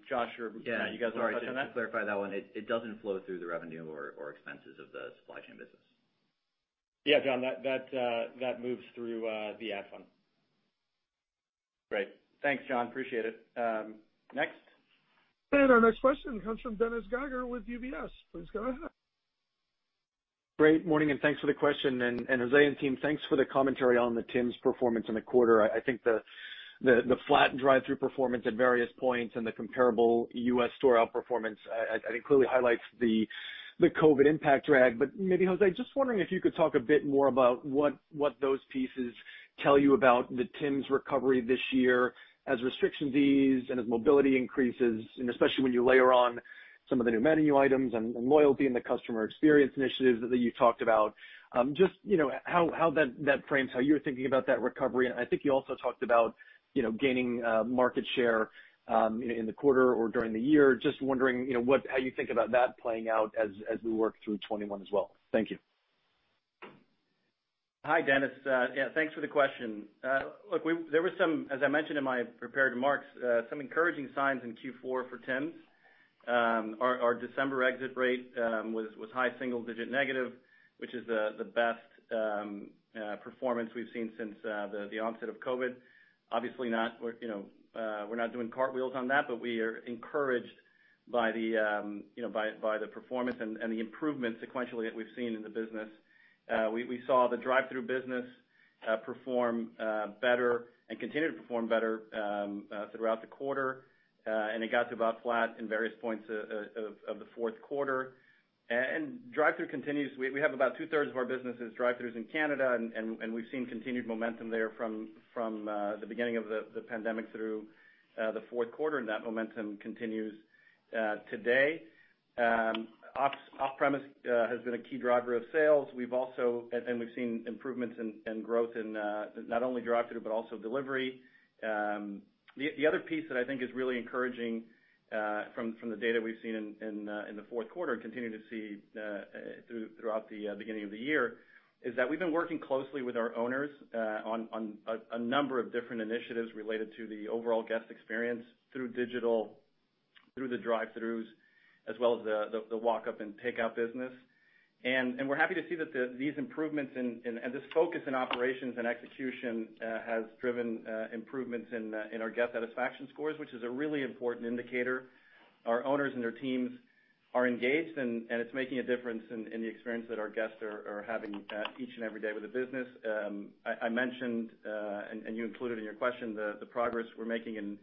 [SPEAKER 3] Josh, you want to touch on that?
[SPEAKER 4] Yeah. Sorry, just to clarify that one, it doesn't flow through the revenue or expenses of the supply chain business.
[SPEAKER 5] Yeah, John, that moves through the ad fund.
[SPEAKER 3] Great. Thanks, John. Appreciate it. Next?
[SPEAKER 1] Our next question comes from Dennis Geiger with UBS. Please go ahead.
[SPEAKER 10] Great morning and thanks for the question. José and team, thanks for the commentary on the Tim's performance in the quarter. I think the flat drive-thru performance at various points and the comparable U.S. store outperformance, I think clearly highlights the COVID impact drag. Maybe José, just wondering if you could talk a bit more about what those pieces tell you about the Tim's recovery this year as restrictions ease and as mobility increases, and especially when you layer on some of the new menu items and the loyalty and the customer experience initiatives that you talked about. Just how that frames how you're thinking about that recovery. I think you also talked about gaining market share in the quarter or during the year. Just wondering how you think about that playing out as we work through 2021 as well. Thank you.
[SPEAKER 3] Hi, Dennis. Yeah, thanks for the question. Look, there was some, as I mentioned in my prepared remarks, some encouraging signs in Q4 for Tim's. Our December exit rate was high single digit negative, which is the best performance we've seen since the onset of COVID. Obviously, we're not doing cartwheels on that, but we are encouraged by the performance and the improvement sequentially that we've seen in the business. We saw the drive-thru business perform better and continue to perform better throughout the quarter. It got to about flat in various points of the fourth quarter. Drive-thru continues. We have about 2/3 of our business is drive-thrus in Canada, and we've seen continued momentum there from the beginning of the pandemic through the fourth quarter, and that momentum continues today. Off-premise has been a key driver of sales. We've seen improvements in growth in not only drive-thru, but also delivery. The other piece that I think is really encouraging from the data we've seen in the fourth quarter and continue to see throughout the beginning of the year, is that we've been working closely with our owners on a number of different initiatives related to the overall guest experience through digital, through the drive-thrus, as well as the walk-up and takeout business. We're happy to see that these improvements and this focus in operations and execution has driven improvements in our guest satisfaction scores, which is a really important indicator. Our owners and their teams are engaged, and it's making a difference in the experience that our guests are having each and every day with the business. I mentioned, and you included in your question, the progress we're making in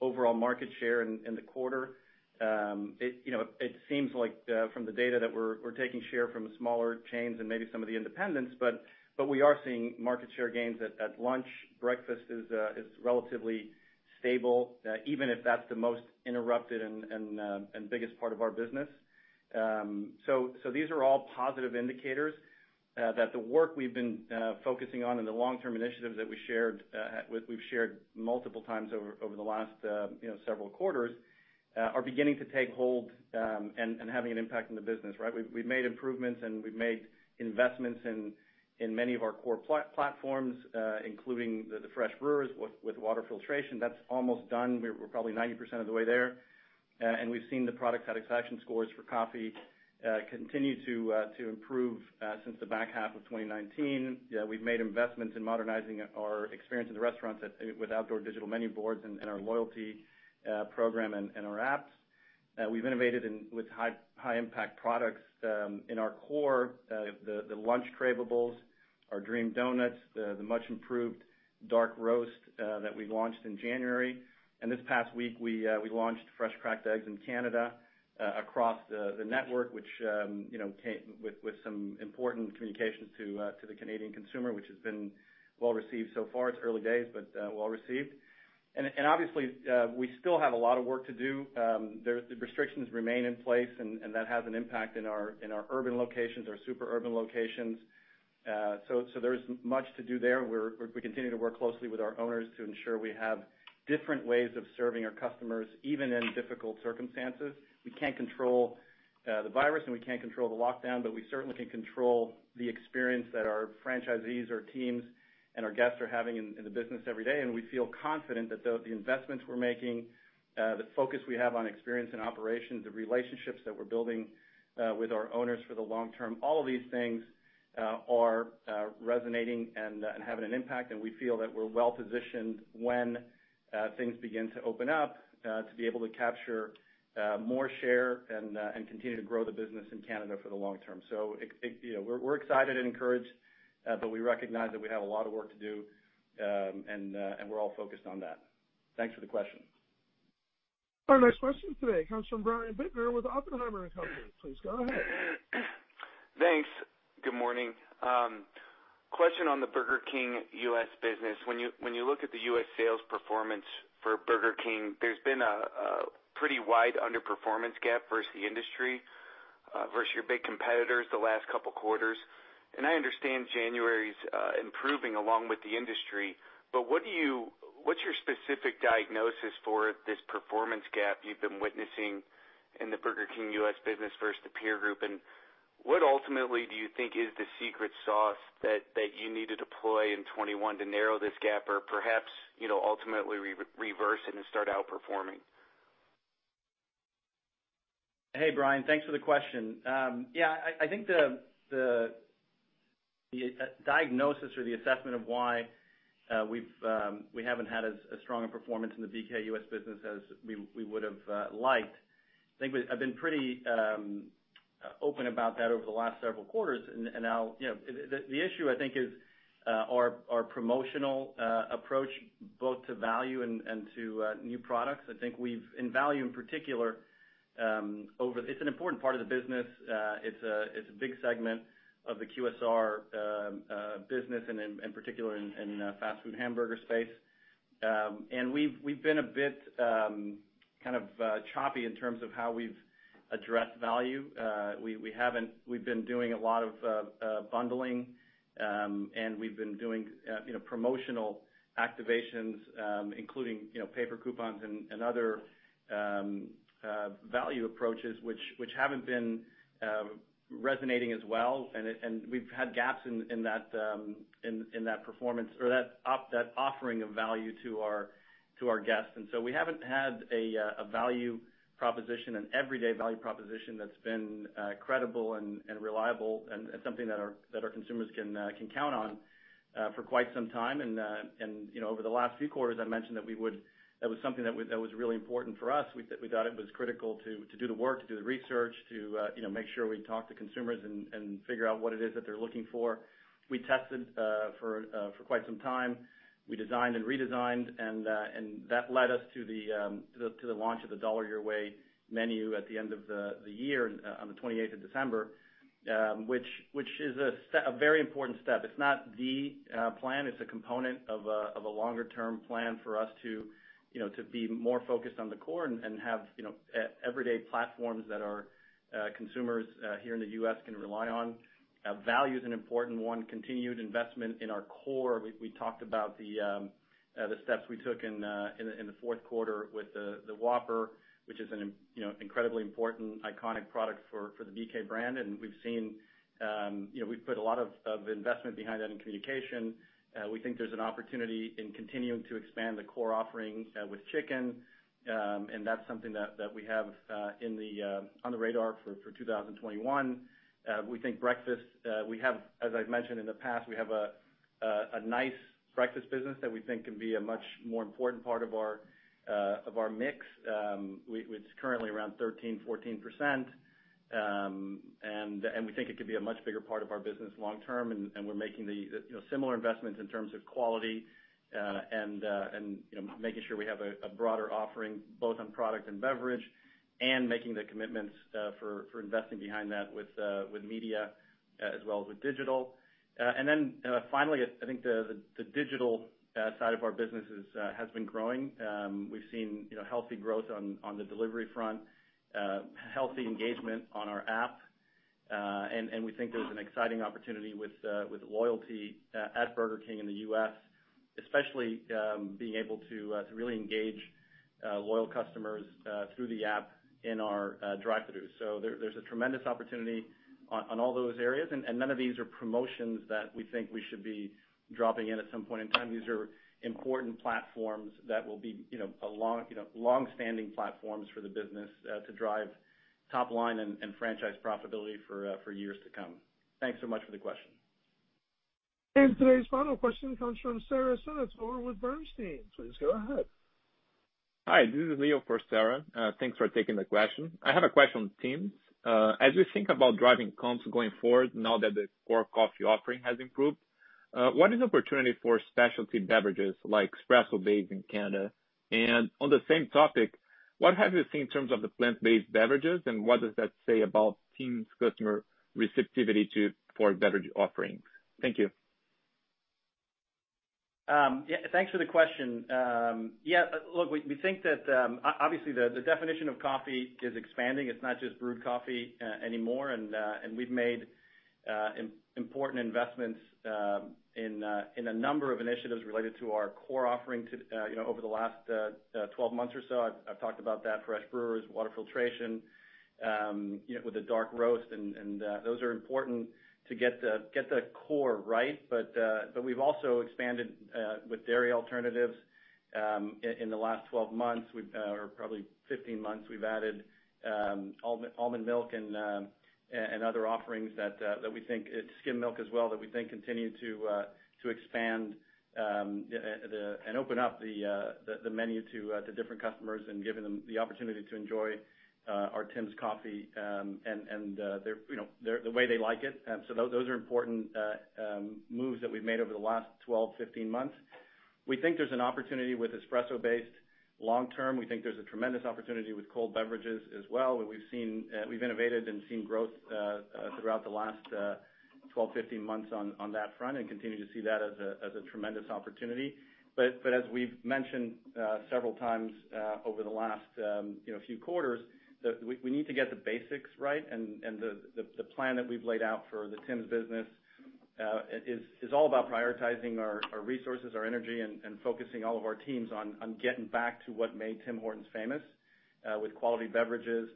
[SPEAKER 3] overall market share in the quarter. It seems like from the data that we're taking share from smaller chains and maybe some of the independents, but we are seeing market share gains at lunch. Breakfast is relatively stable, even if that's the most interrupted and biggest part of our business. These are all positive indicators that the work we've been focusing on and the long-term initiatives that we've shared multiple times over the last several quarters are beginning to take hold and having an impact on the business, right. We've made improvements, and we've made investments in many of our core platforms, including the fresh brewers with water filtration. That's almost done. We're probably 90% of the way there. We've seen the product satisfaction scores for coffee continue to improve since the back half of 2019. We've made investments in modernizing our experience in the restaurants with outdoor digital menu boards and our loyalty program and our apps. We've innovated with high impact products in our core, the lunch Craveables, our Dream Donuts, the much improved dark roast that we launched in January. This past week, we launched fresh cracked eggs in Canada across the network, which came with some important communications to the Canadian consumer, which has been well received so far. It's early days, but well received. Obviously, we still have a lot of work to do. The restrictions remain in place, and that has an impact in our urban locations, our super urban locations. There's much to do there. We continue to work closely with our owners to ensure we have different ways of serving our customers, even in difficult circumstances. We can't control the virus, and we can't control the lockdown, but we certainly can control the experience that our franchisees, our teams, and our guests are having in the business every day. We feel confident that the investments we're making, the focus we have on experience and operations, the relationships that we're building with our owners for the long term, all of these things are resonating and having an impact, and we feel that we're well positioned when things begin to open up to be able to capture more share and continue to grow the business in Canada for the long term. We're excited and encouraged, but we recognize that we have a lot of work to do, and we're all focused on that. Thanks for the question.
[SPEAKER 1] Our next question today comes from Brian Bittner with Oppenheimer & Company. Please go ahead.
[SPEAKER 11] Thanks. Good morning. Question on the Burger King U.S. business. When you look at the U.S. sales performance for Burger King, there's been a pretty wide underperformance gap versus the industry. Versus your big competitors the last couple quarters. I understand January's improving along with the industry, but what's your specific diagnosis for this performance gap you've been witnessing in the Burger King U.S. business versus the peer group? What ultimately do you think is the secret sauce that you need to deploy in 2021 to narrow this gap? Perhaps, ultimately reverse it and start outperforming?
[SPEAKER 3] Hey, Brian. Thanks for the question. Yeah. I think the diagnosis or the assessment of why we haven't had as strong a performance in the BK U.S. business as we would've liked, I think I've been pretty open about that over the last several quarters. The issue I think is our promotional approach, both to value and to new products. I think we've, in value in particular, it's an important part of the business. It's a big segment of the QSR business, and in particular in fast food hamburger space. We've been a bit choppy in terms of how we've addressed value. We've been doing a lot of bundling, and we've been doing promotional activations, including paper coupons and other value approaches, which haven't been resonating as well. We've had gaps in that performance or that offering of value to our guests. We haven't had a value proposition, an everyday value proposition that's been credible and reliable and something that our consumers can count on for quite some time. Over the last few quarters, I mentioned that was something that was really important for us. We thought it was critical to do the work, to do the research, to make sure we talk to consumers and figure out what it is that they're looking for. We tested for quite some time. We designed and redesigned and that led us to the launch of the $1 Your Way Menu at the end of the year, on the 28th of December, which is a very important step. It's not the plan, it's a component of a longer-term plan for us to be more focused on the core and have everyday platforms that our consumers here in the U.S. can rely on. Value is an important one. Continued investment in our core. We talked about the steps we took in the fourth quarter with the Whopper, which is an incredibly important iconic product for the BK brand. We've put a lot of investment behind that in communication. We think there's an opportunity in continuing to expand the core offering with chicken. That's something that we have on the radar for 2021. We think breakfast, as I've mentioned in the past, we have a nice breakfast business that we think can be a much more important part of our mix, which is currently around 13%-14%. We think it could be a much bigger part of our business long term, and we're making similar investments in terms of quality and making sure we have a broader offering both on product and beverage. Making the commitments for investing behind that with media as well as with digital. Finally, I think the digital side of our business has been growing. We've seen healthy growth on the delivery front, healthy engagement on our app. We think there's an exciting opportunity with loyalty at Burger King in the U.S., especially being able to really engage loyal customers through the app in our drive-throughs. There's a tremendous opportunity on all those areas, and none of these are promotions that we think we should be dropping in at some point in time. These are important platforms that will be longstanding platforms for the business to drive top line and franchise profitability for years to come. Thanks so much for the question.
[SPEAKER 1] Today's final question comes from Sara Senatore with Bernstein. Please go ahead.
[SPEAKER 12] Hi, this is Leo for Sara. Thanks for taking the question. I have a question on Tim. As we think about driving comps going forward now that the core coffee offering has improved, what is the opportunity for specialty beverages like espresso-based in Canada? On the same topic, what have you seen in terms of the plant-based beverages, and what does that say about Tim's customer receptivity for beverage offerings? Thank you.
[SPEAKER 3] Thanks for the question. Look, we think that, obviously the definition of coffee is expanding. It is not just brewed coffee anymore, and we have made important investments in a number of initiatives related to our core offering over the last 12 months or so. I have talked about that, fresh brewers, water filtration with the dark roast, and those are important to get the core right. We have also expanded with dairy alternatives in the last 12 months, or probably 15 months, we have added almond milk and other offerings that we think, skim milk as well, that we think continue to expand and open up the menu to different customers and giving them the opportunity to enjoy our Tim's coffee the way they like it. Those are important moves that we have made over the last 12, 15 months. We think there is an opportunity with espresso-based long term. We think there's a tremendous opportunity with cold beverages as well, where we've innovated and seen growth throughout the last 12, 15 months on that front and continue to see that as a tremendous opportunity. As we've mentioned several times over the last few quarters, we need to get the basics right, and the plan that we've laid out for the Tim's business is all about prioritizing our resources, our energy, and focusing all of our teams on getting back to what made Tim Hortons famous with quality beverages,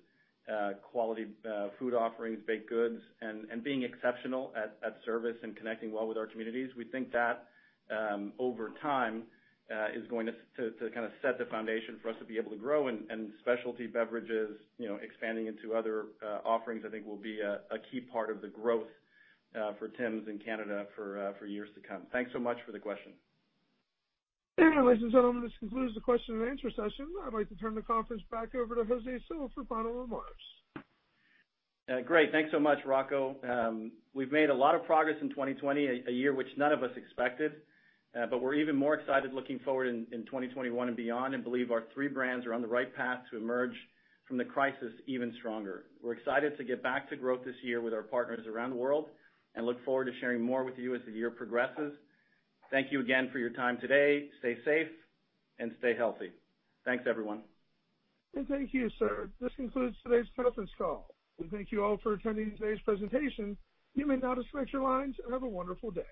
[SPEAKER 3] quality food offerings, baked goods, and being exceptional at service and connecting well with our communities. We think that, over time, is going to set the foundation for us to be able to grow and specialty beverages expanding into other offerings, I think will be a key part of the growth for Tim's in Canada for years to come. Thanks so much for the question.
[SPEAKER 1] Ladies and gentlemen, this concludes the question and answer session. I'd like to turn the conference back over to José Cil for final remarks.
[SPEAKER 3] Great. Thanks so much, Rocco. We've made a lot of progress in 2020, a year which none of us expected. We're even more excited looking forward in 2021 and beyond, and believe our three brands are on the right path to emerge from the crisis even stronger. We're excited to get back to growth this year with our partners around the world and look forward to sharing more with you as the year progresses. Thank you again for your time today. Stay safe and stay healthy. Thanks, everyone.
[SPEAKER 1] Thank you, sir. This concludes today's conference call. We thank you all for attending today's presentation. You may now disconnect your lines. Have a wonderful day.